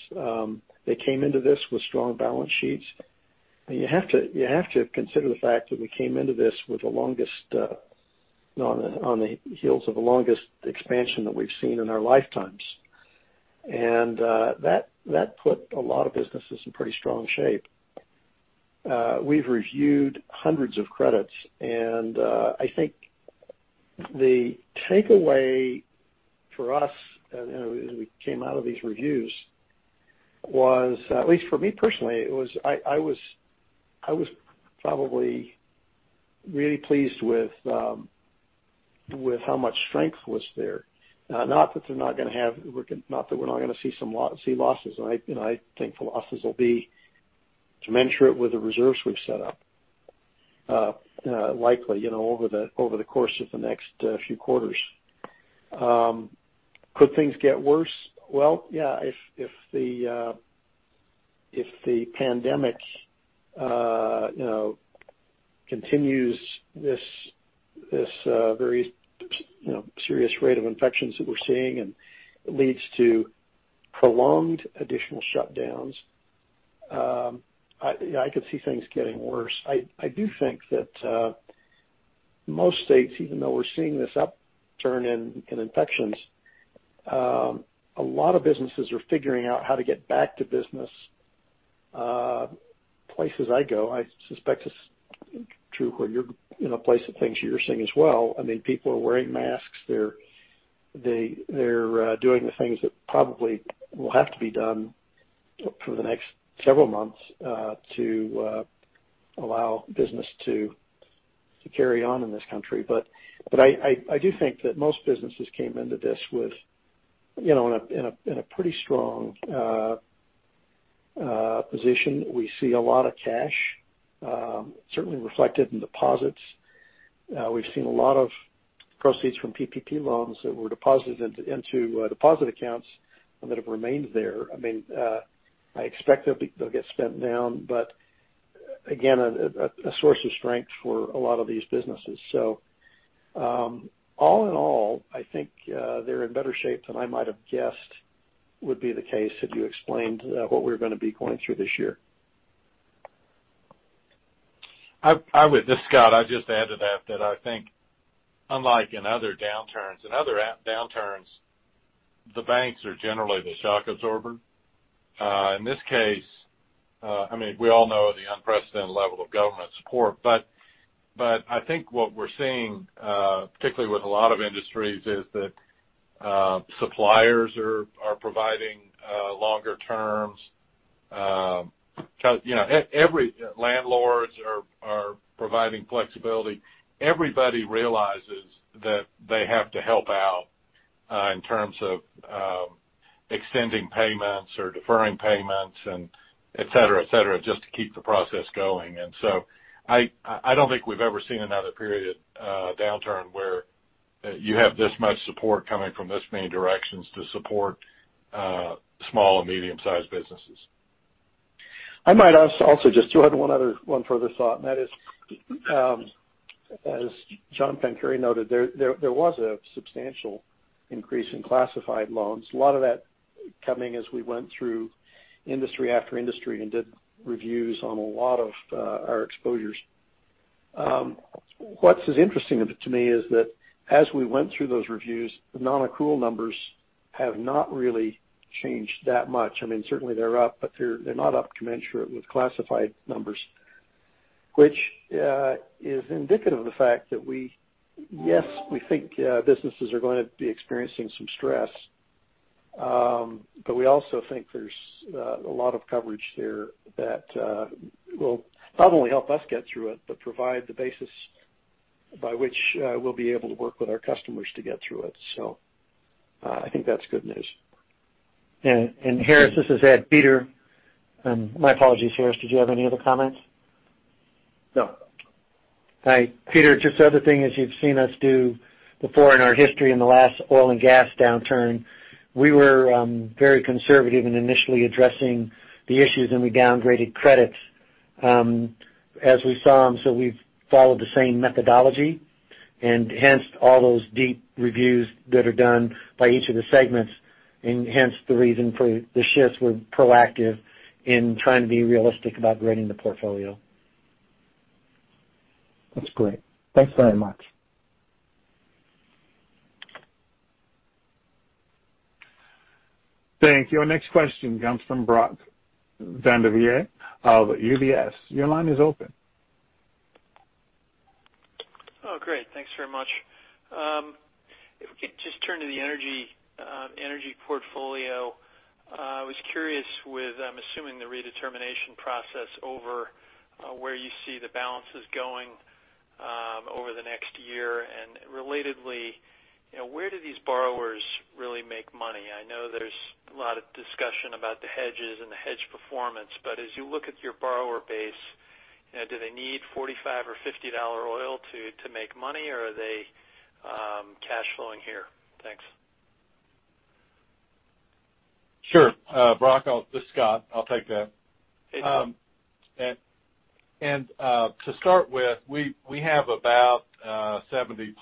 They came into this with strong balance sheets. You have to consider the fact that we came into this on the heels of the longest expansion that we've seen in our lifetimes. That put a lot of businesses in pretty strong shape. We've reviewed hundreds of credits, and I think the takeaway for us as we came out of these reviews was, at least for me personally, I was probably really pleased with how much strength was there. Not that we're not going to see losses. I think the losses will be commensurate with the reserves we've set up, likely over the course of the next few quarters. Could things get worse? Well, yeah, if the pandemic continues this very serious rate of infections that we're seeing and leads to prolonged additional shutdowns, I could see things getting worse. I do think that most states, even though we're seeing this upturn in infections, a lot of businesses are figuring out how to get back to business. Places I go, I suspect it's true in the place of things you're seeing as well. People are wearing masks. They're doing the things that probably will have to be done for the next several months to allow business to carry on in this country. I do think that most businesses came into this in a pretty strong position. We see a lot of cash certainly reflected in deposits. We've seen a lot of proceeds from PPP loans that were deposited into deposit accounts that have remained there. I expect they'll get spent down, again, a source of strength for a lot of these businesses. All in all, I think they're in better shape than I might have guessed would be the case had you explained what we were going to be going through this year. This is Scott. I'd just add to that I think unlike in other downturns, the banks are generally the shock absorber. In this case, we all know the unprecedented level of government support. I think what we're seeing, particularly with a lot of industries, is that suppliers are providing longer terms. Landlords are providing flexibility. Everybody realizes that they have to help out in terms of extending payments or deferring payments, et cetera, just to keep the process going. I don't think we've ever seen another period downturn where you have this much support coming from this many directions to support small and medium-sized businesses. I might also just add one further thought, and that is as John Pancari noted, there was a substantial increase in classified loans. A lot of that coming as we went through industry after industry and did reviews on a lot of our exposures. What's as interesting to me is that as we went through those reviews, the non-accrual numbers have not really changed that much. Certainly they're up, they're not up commensurate with classified numbers, which is indicative of the fact that yes, we think businesses are going to be experiencing some stress. We also think there's a lot of coverage there that will not only help us get through it, but provide the basis by which we'll be able to work with our customers to get through it. I think that's good news. Harris, this is Ed. My apologies, Harris. Did you have any other comments? No. All right. Peter, just the other thing, as you've seen us do before in our history, in the last oil and gas downturn, we were very conservative in initially addressing the issues, and we downgraded credits as we saw them. We've followed the same methodology and hence all those deep reviews that are done by each of the segments, and hence the reason for the shifts were proactive in trying to be realistic about grading the portfolio. That's great. Thanks very much. Thank you. Our next question comes from Brody Vanderveen of UBS. Your line is open. Oh, great. Thanks very much. Turn to the energy portfolio. I was curious with, I'm assuming, the redetermination process over where you see the balances going over the next year. Relatedly, where do these borrowers really make money? I know there's a lot of discussion about the hedges and the hedge performance. As you look at your borrower base, do they need $45 or $50 oil to make money, or are they cash flowing here? Thanks. Sure. Brody, this is Scott. I'll take that. Thank you. To start with, we have about 70+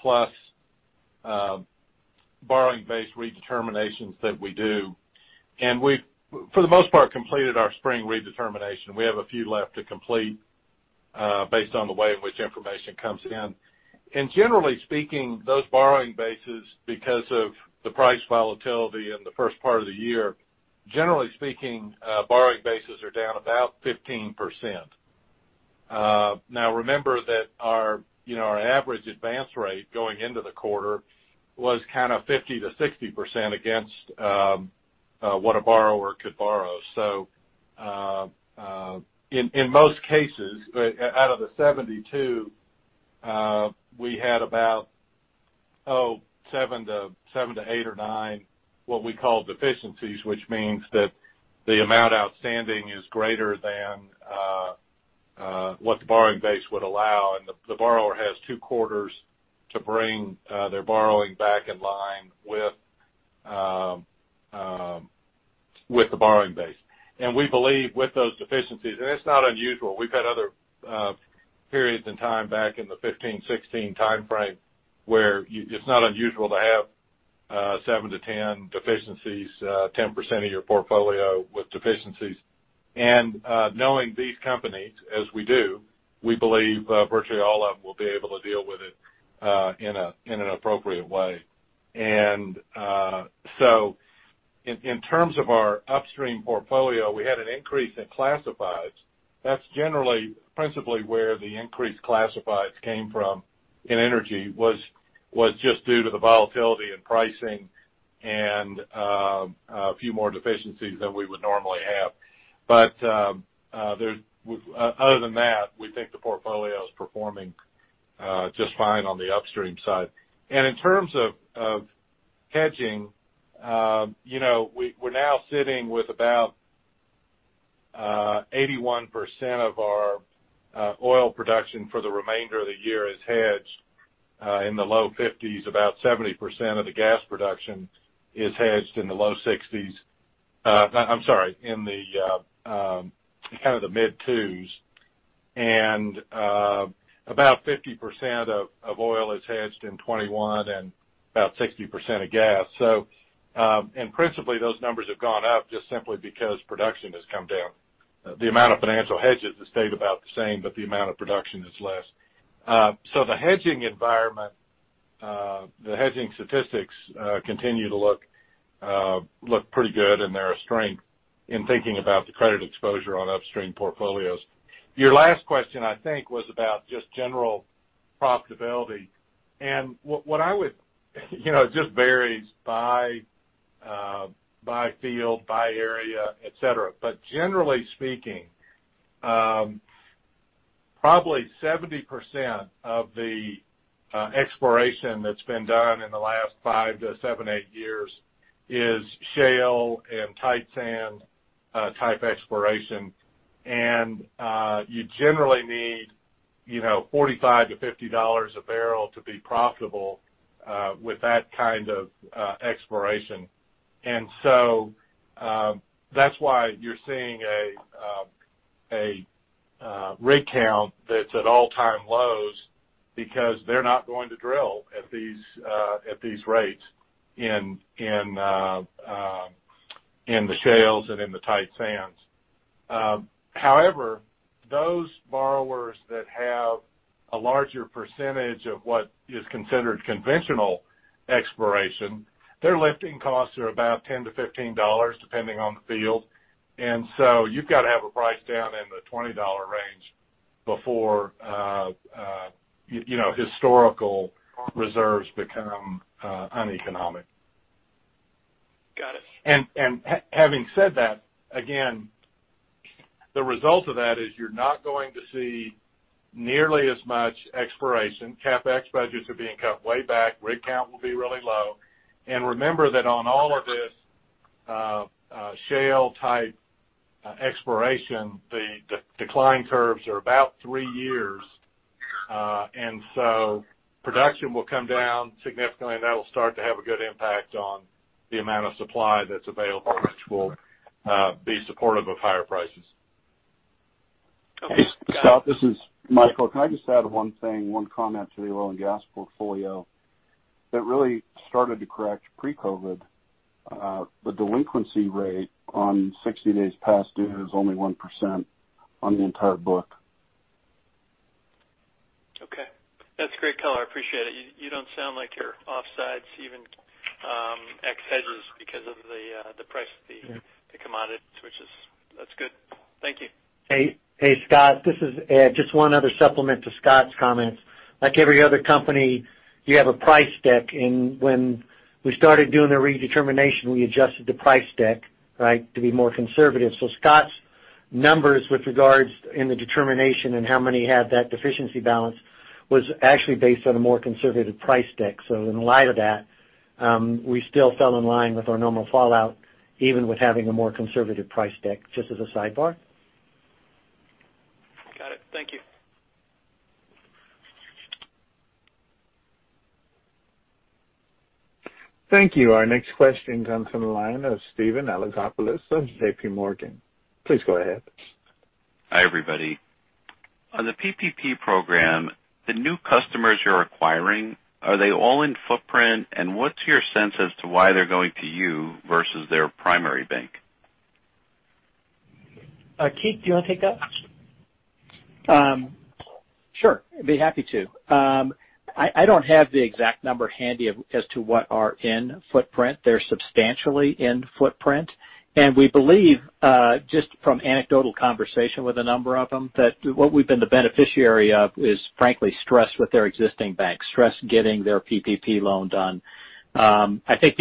borrowing base redeterminations that we do. We've, for the most part, completed our spring redetermination. We have a few left to complete based on the way in which information comes in. Generally speaking, those borrowing bases, because of the price volatility in the first part of the year, generally speaking, borrowing bases are down about 15%. Now, remember that our average advance rate going into the quarter was kind of 50%-60% against what a borrower could borrow. In most cases, out of the 72, we had about seven to eight or nine, what we call deficiencies, which means that the amount outstanding is greater than what the borrowing base would allow. The borrower has two quarters to bring their borrowing back in line with the borrowing base. We believe with those deficiencies, it is not unusual. We have had other periods in time back in the 2015, 2016 timeframe, where it is not unusual to have seven to 10 deficiencies, 10% of your portfolio with deficiencies. Knowing these companies as we do, we believe virtually all of them will be able to deal with it in an appropriate way. In terms of our upstream portfolio, we had an increase in classifieds. That is generally, principally where the increased classifieds came from in energy was just due to the volatility in pricing and a few more deficiencies than we would normally have. Other than that, we think the portfolio is performing just fine on the upstream side. In terms of hedging, we are now sitting with about 81% of our oil production for the remainder of the year is hedged in the low $50s. About 70% of the gas production is hedged in the low 60s. I'm sorry, in kind of the mid twos. About 50% of oil is hedged in 2021 and about 60% of gas. Principally, those numbers have gone up just simply because production has come down. The amount of financial hedges has stayed about the same, but the amount of production is less. The hedging environment, the hedging statistics continue to look pretty good, and they're a strength in thinking about the credit exposure on upstream portfolios. Your last question, I think, was about just general profitability. It just varies by field, by area, et cetera. Generally speaking, probably 70% of the exploration that's been done in the last five to seven, eight years is shale and tight sand type exploration. You generally need $45-$50 a barrel to be profitable with that kind of exploration. That's why you're seeing a rig count that's at all-time lows because they're not going to drill at these rates in the shales and in the tight sands. However, those borrowers that have a larger percentage of what is considered conventional exploration, their lifting costs are about $10-$15, depending on the field. You've got to have a price down in the $20 range before historical reserves become uneconomic. Got it. Having said that, again, the result of that is you're not going to see nearly as much exploration. CapEx budgets are being cut way back. Rig count will be really low. Remember that on all of this shale-type exploration, the decline curves are about three years. Production will come down significantly, and that'll start to have a good impact on the amount of supply that's available, which will be supportive of higher prices. Okay. Scott- Scott, this is Michael. Can I just add one thing, one comment to the oil and gas portfolio? That really started to correct pre-COVID. The delinquency rate on 60 days past due is only 1% on the entire book. Okay. That's great color. I appreciate it. You don't sound like you're offsides [even-hedges] because of the price of the. Yeah the commodities, which is good. Thank you. Hey, Scott. This is Ed. Just one other supplement to Scott's comments. Like every other company, you have a price deck, and when we started doing the redetermination, we adjusted the price deck, right? To be more conservative. Scott's numbers with regards in the determination and how many had that deficiency balance was actually based on a more conservative price deck. In light of that, we still fell in line with our normal fallout, even with having a more conservative price deck, just as a sidebar. Got it. Thank you. Thank you. Our next question comes from the line of Steven Alexopoulos of JP Morgan. Please go ahead. Hi, everybody. On the PPP program, the new customers you're acquiring, are they all in footprint? What's your sense as to why they're going to you versus their primary bank? Keith, do you want to take that? Sure. I'd be happy to. I don't have the exact number handy as to what are in footprint. They're substantially in footprint. We believe, just from anecdotal conversation with a number of them, that what we've been the beneficiary of is frankly stress with their existing bank, stress getting their PPP loan done. I think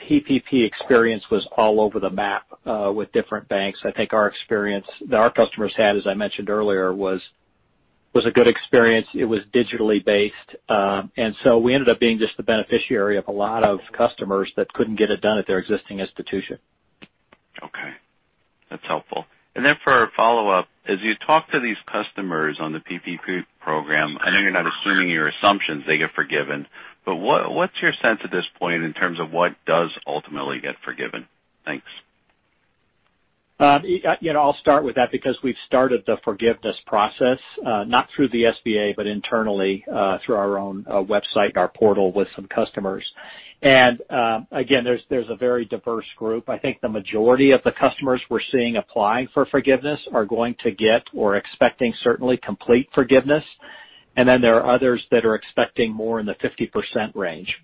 PPP experience was all over the map with different banks. I think our experience that our customers had, as I mentioned earlier, was a good experience. It was digitally based. We ended up being just the beneficiary of a lot of customers that couldn't get it done at their existing institution. Okay. That's helpful. Then for a follow-up, as you talk to these customers on the PPP Program, I know you're not assuming your assumptions they get forgiven, but what's your sense at this point in terms of what does ultimately get forgiven? Thanks. I'll start with that because we've started the forgiveness process, not through the SBA, but internally through our own website and our portal with some customers. Again, there's a very diverse group. I think the majority of the customers we're seeing applying for forgiveness are going to get or expecting certainly complete forgiveness. Then there are others that are expecting more in the 50% range.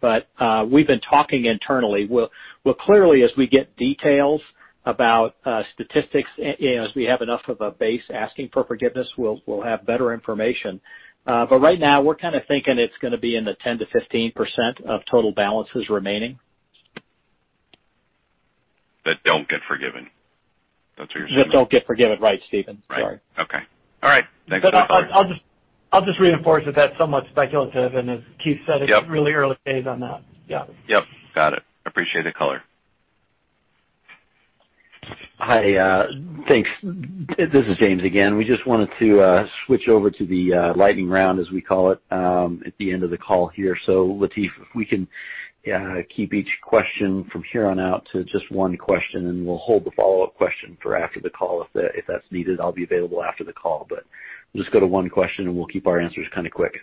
We've been talking internally. Clearly as we get details about statistics, as we have enough of a base asking for forgiveness, we'll have better information. Right now, we're kind of thinking it's going to be in the 10%-15% of total balances remaining. That don't get forgiven. That's what you're saying? That don't get forgiven. Right, Steven. Sorry. Right. Okay. All right. Thanks for the color. I'll just reinforce that that's somewhat speculative, and as Keith said. Yep it's really early days on that. Yeah. Yep. Got it. Appreciate the color. Hi. Thanks. This is James again. We just wanted to switch over to the lightning round, as we call it, at the end of the call here. Lateef, if we can keep each question from here on out to just one question, and we'll hold the follow-up question for after the call if that's needed. I'll be available after the call. Just go to one question, and we'll keep our answers kind of quick.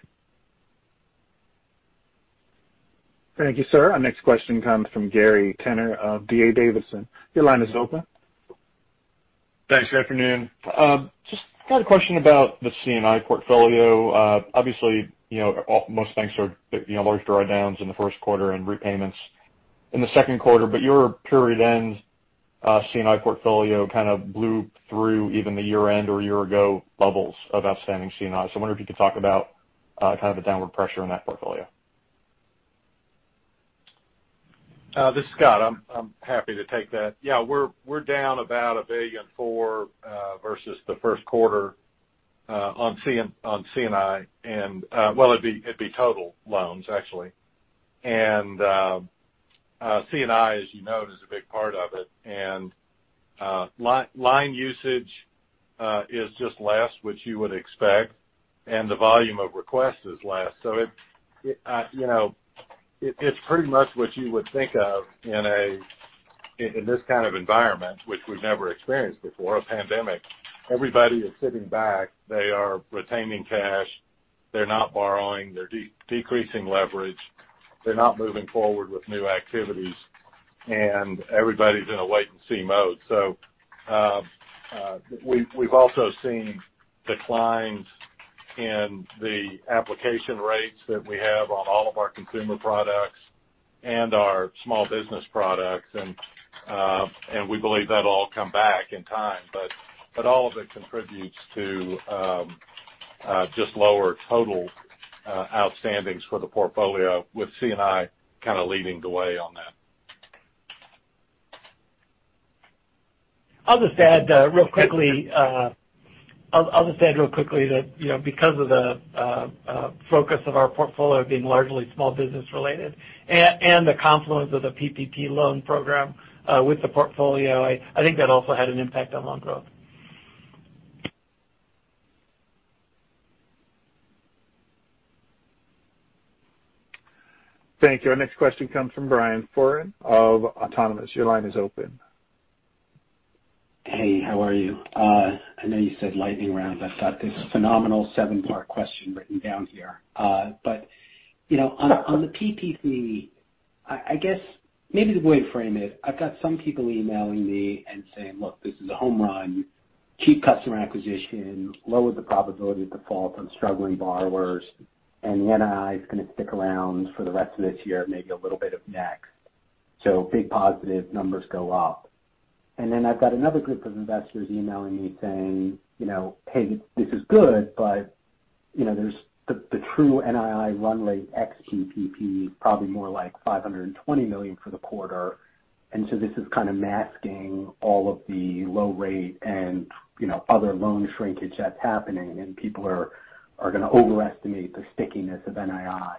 Thank you, sir. Our next question comes from Gary Tenner of D.A. Davidson. Your line is open. Thanks. Good afternoon. Just got a question about the C&I portfolio. Obviously, most banks are large drawdowns in the first quarter and repayments in the second quarter. Your period end C&I portfolio kind of blew through even the year-end or year-ago levels of outstanding C&I. I wonder if you could talk about kind of the downward pressure in that portfolio. This is Scott. I'm happy to take that. We're down about $1.4 billion versus the first quarter on C&I, well, it'd be total loans, actually. C&I as you know, is a big part of it, and line usage is just less, which you would expect, and the volume of requests is less. It's pretty much what you would think of in this kind of environment, which we've never experienced before, a pandemic. Everybody is sitting back. They are retaining cash. They're not borrowing. They're decreasing leverage. They're not moving forward with new activities. Everybody's in a wait-and-see mode. We've also seen declines in the application rates that we have on all of our consumer products and our small business products. We believe that'll all come back in time. All of it contributes to just lower total outstandings for the portfolio with C&I kind of leading the way on that. I'll just add real quickly that because of the focus of our portfolio being largely small business related and the confluence of the PPP Loan Program with the portfolio, I think that also had an impact on loan growth. Thank you. Our next question comes from Brian Foran of Autonomous. Your line is open. Hey, how are you? I know you said lightning round, I've got this phenomenal seven-part question written down here. On the PPP, I guess maybe the way to frame it, I've got some people emailing me and saying, "Look, this is a home run," cheap customer acquisition, lower the probability of default on struggling borrowers, and the NII is going to stick around for the rest of this year, maybe a little bit of next. Big positive numbers go up. I've got another group of investors emailing me saying, "Hey, this is good, but there's the true NII run rate ex-PPP, probably more like $520 million for the quarter." This is kind of masking all of the low rate and other loan shrinkage that's happening, and people are going to overestimate the stickiness of NII.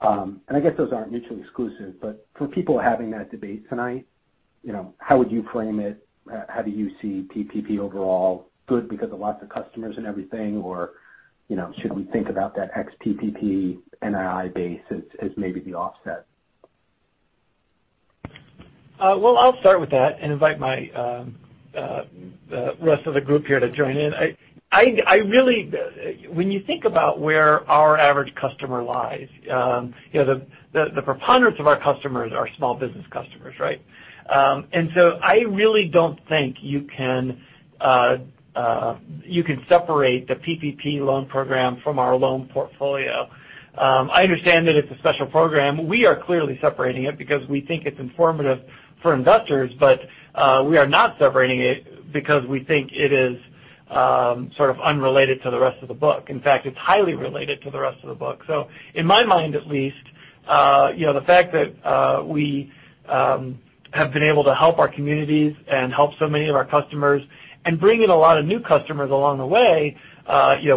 I guess those aren't mutually exclusive, but for people having that debate tonight, how would you frame it? How do you see PPP overall? Good because of lots of customers and everything, or should we think about that ex-PPP NII base as maybe the offset? I'll start with that and invite the rest of the group here to join in. When you think about where our average customer lies, the preponderance of our customers are small business customers, right? I really don't think you can separate the PPP loan program from our loan portfolio. I understand that it's a special program. We are clearly separating it because we think it's informative for investors. We are not separating it because we think it is sort of unrelated to the rest of the book. In fact, it's highly related to the rest of the book. In my mind at least, the fact that we have been able to help our communities and help so many of our customers and bring in a lot of new customers along the way,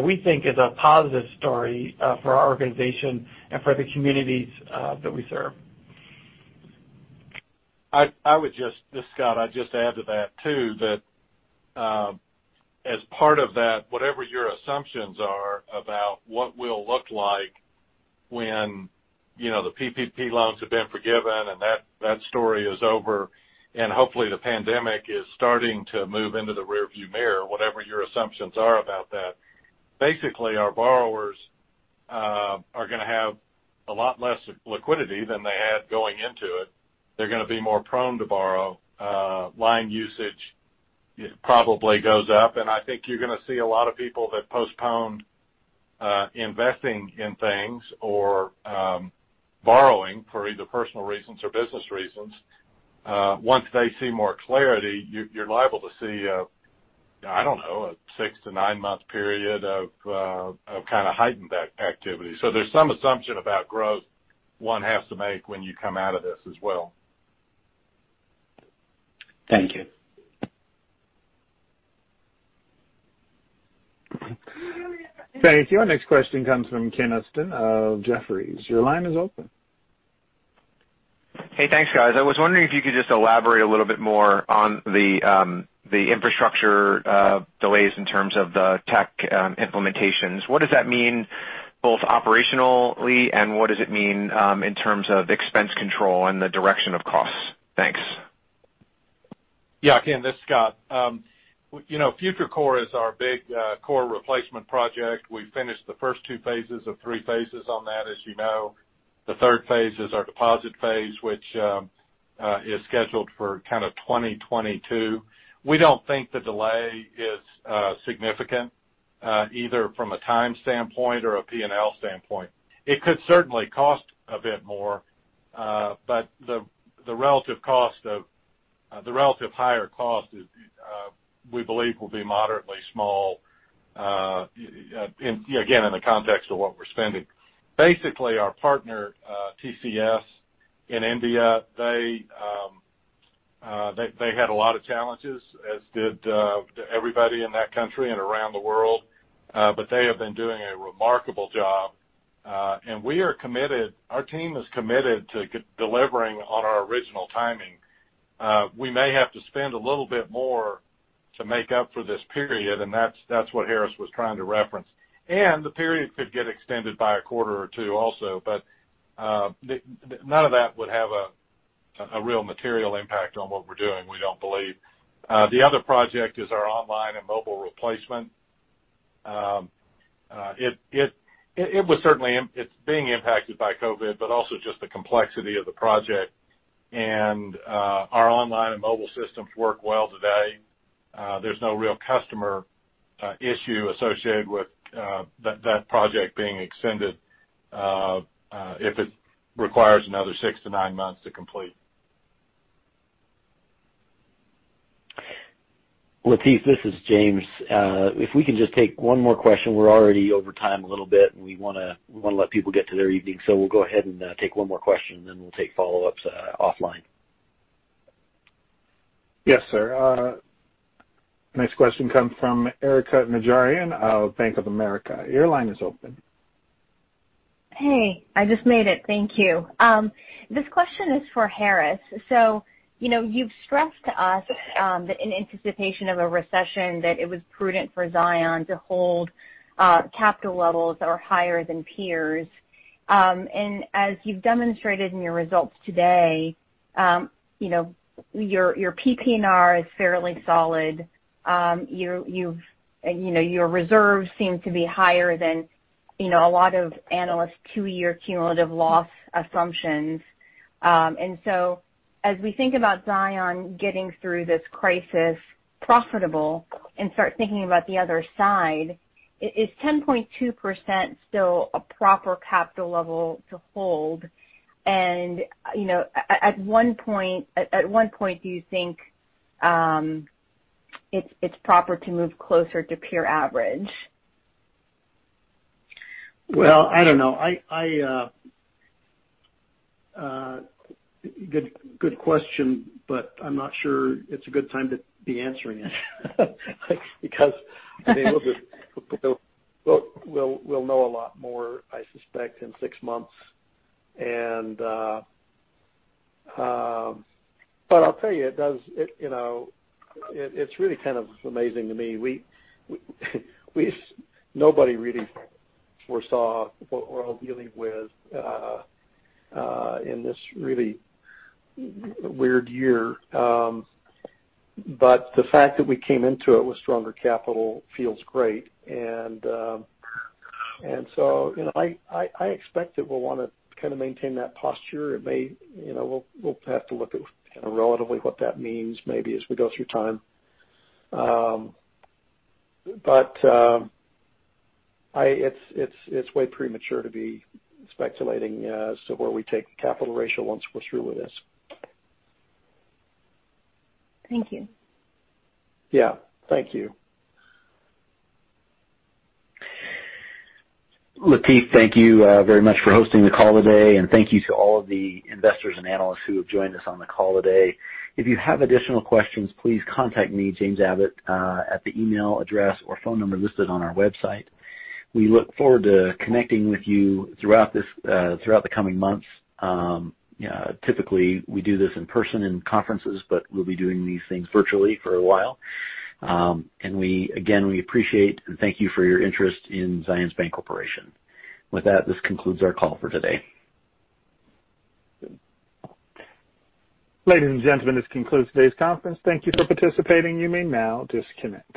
we think is a positive story for our organization and for the communities that we serve. This is Scott. I'd just add to that, too, that as part of that, whatever your assumptions are about what we'll look like when the PPP loans have been forgiven and that story is over, and hopefully the pandemic is starting to move into the rearview mirror, whatever your assumptions are about that. Basically, our borrowers are going to have a lot less liquidity than they had going into it. They're going to be more prone to borrow. Line usage probably goes up, and I think you're going to see a lot of people that postponed investing in things or borrowing for either personal reasons or business reasons. Once they see more clarity, you're liable to see, I don't know, a 6 to 9-month period of kind of heightened activity. There's some assumption about growth one has to make when you come out of this as well. Thank you. Thank you. Our next question comes from Ken Usdin of Jefferies. Your line is open. Hey, thanks, guys. I was wondering if you could just elaborate a little bit more on the infrastructure delays in terms of the tech implementations. What does that mean both operationally and what does it mean in terms of expense control and the direction of costs? Thanks. Yeah, Ken, this is Scott. FutureCore is our big core replacement project. We finished the first 2 phases of 3 phases on that, as you know. The third phase is our deposit phase, which is scheduled for kind of 2022. We don't think the delay is significant, either from a time standpoint or a P&L standpoint. It could certainly cost a bit more. The relative higher cost we believe will be moderately small, again, in the context of what we're spending. Basically, our partner, TCS in India, they had a lot of challenges, as did everybody in that country and around the world. They have been doing a remarkable job. Our team is committed to delivering on our original timing. We may have to spend a little bit more to make up for this period. That's what Harris was trying to reference. The period could get extended by a quarter or two also. None of that would have a real material impact on what we're doing, we don't believe. The other project is our online and mobile replacement. It's being impacted by COVID, but also just the complexity of the project, and our online and mobile systems work well today. There's no real customer issue associated with that project being extended if it requires another six to nine months to complete. Lateef, this is James. If we can just take one more question, we're already over time a little bit, and we want to let people get to their evening. We'll go ahead and take one more question, and then we'll take follow-ups offline. Yes, sir. Next question comes from Erika Najarian of Bank of America. Your line is open. Hey. I just made it. Thank you. This question is for Harris. You've stressed to us that in anticipation of a recession that it was prudent for Zions to hold capital levels that are higher than peers. As you've demonstrated in your results today, your PPNR is fairly solid. Your reserves seem to be higher than a lot of analysts' two-year cumulative loss assumptions. As we think about Zions getting through this crisis profitable and start thinking about the other side, is 10.2% still a proper capital level to hold? At one point, do you think it's proper to move closer to peer average? Well, I don't know. Good question, but I'm not sure it's a good time to be answering it. We'll know a lot more, I suspect, in six months. I'll tell you, it's really kind of amazing to me. Nobody really foresaw what we're all dealing with in this really weird year. The fact that we came into it with stronger capital feels great. I expect that we'll want to kind of maintain that posture. We'll have to look at kind of relatively what that means maybe as we go through time. It's way premature to be speculating as to where we take the capital ratio once we're through with this. Thank you. Yeah. Thank you. Lateef, thank you very much for hosting the call today, and thank you to all of the investors and analysts who have joined us on the call today. If you have additional questions, please contact me, James Abbott, at the email address or phone number listed on our website. We look forward to connecting with you throughout the coming months. Typically, we do this in person in conferences, but we'll be doing these things virtually for a while. Again, we appreciate and thank you for your interest in Zions Bancorporation. With that, this concludes our call for today. Ladies and gentlemen, this concludes today's conference. Thank you for participating. You may now disconnect.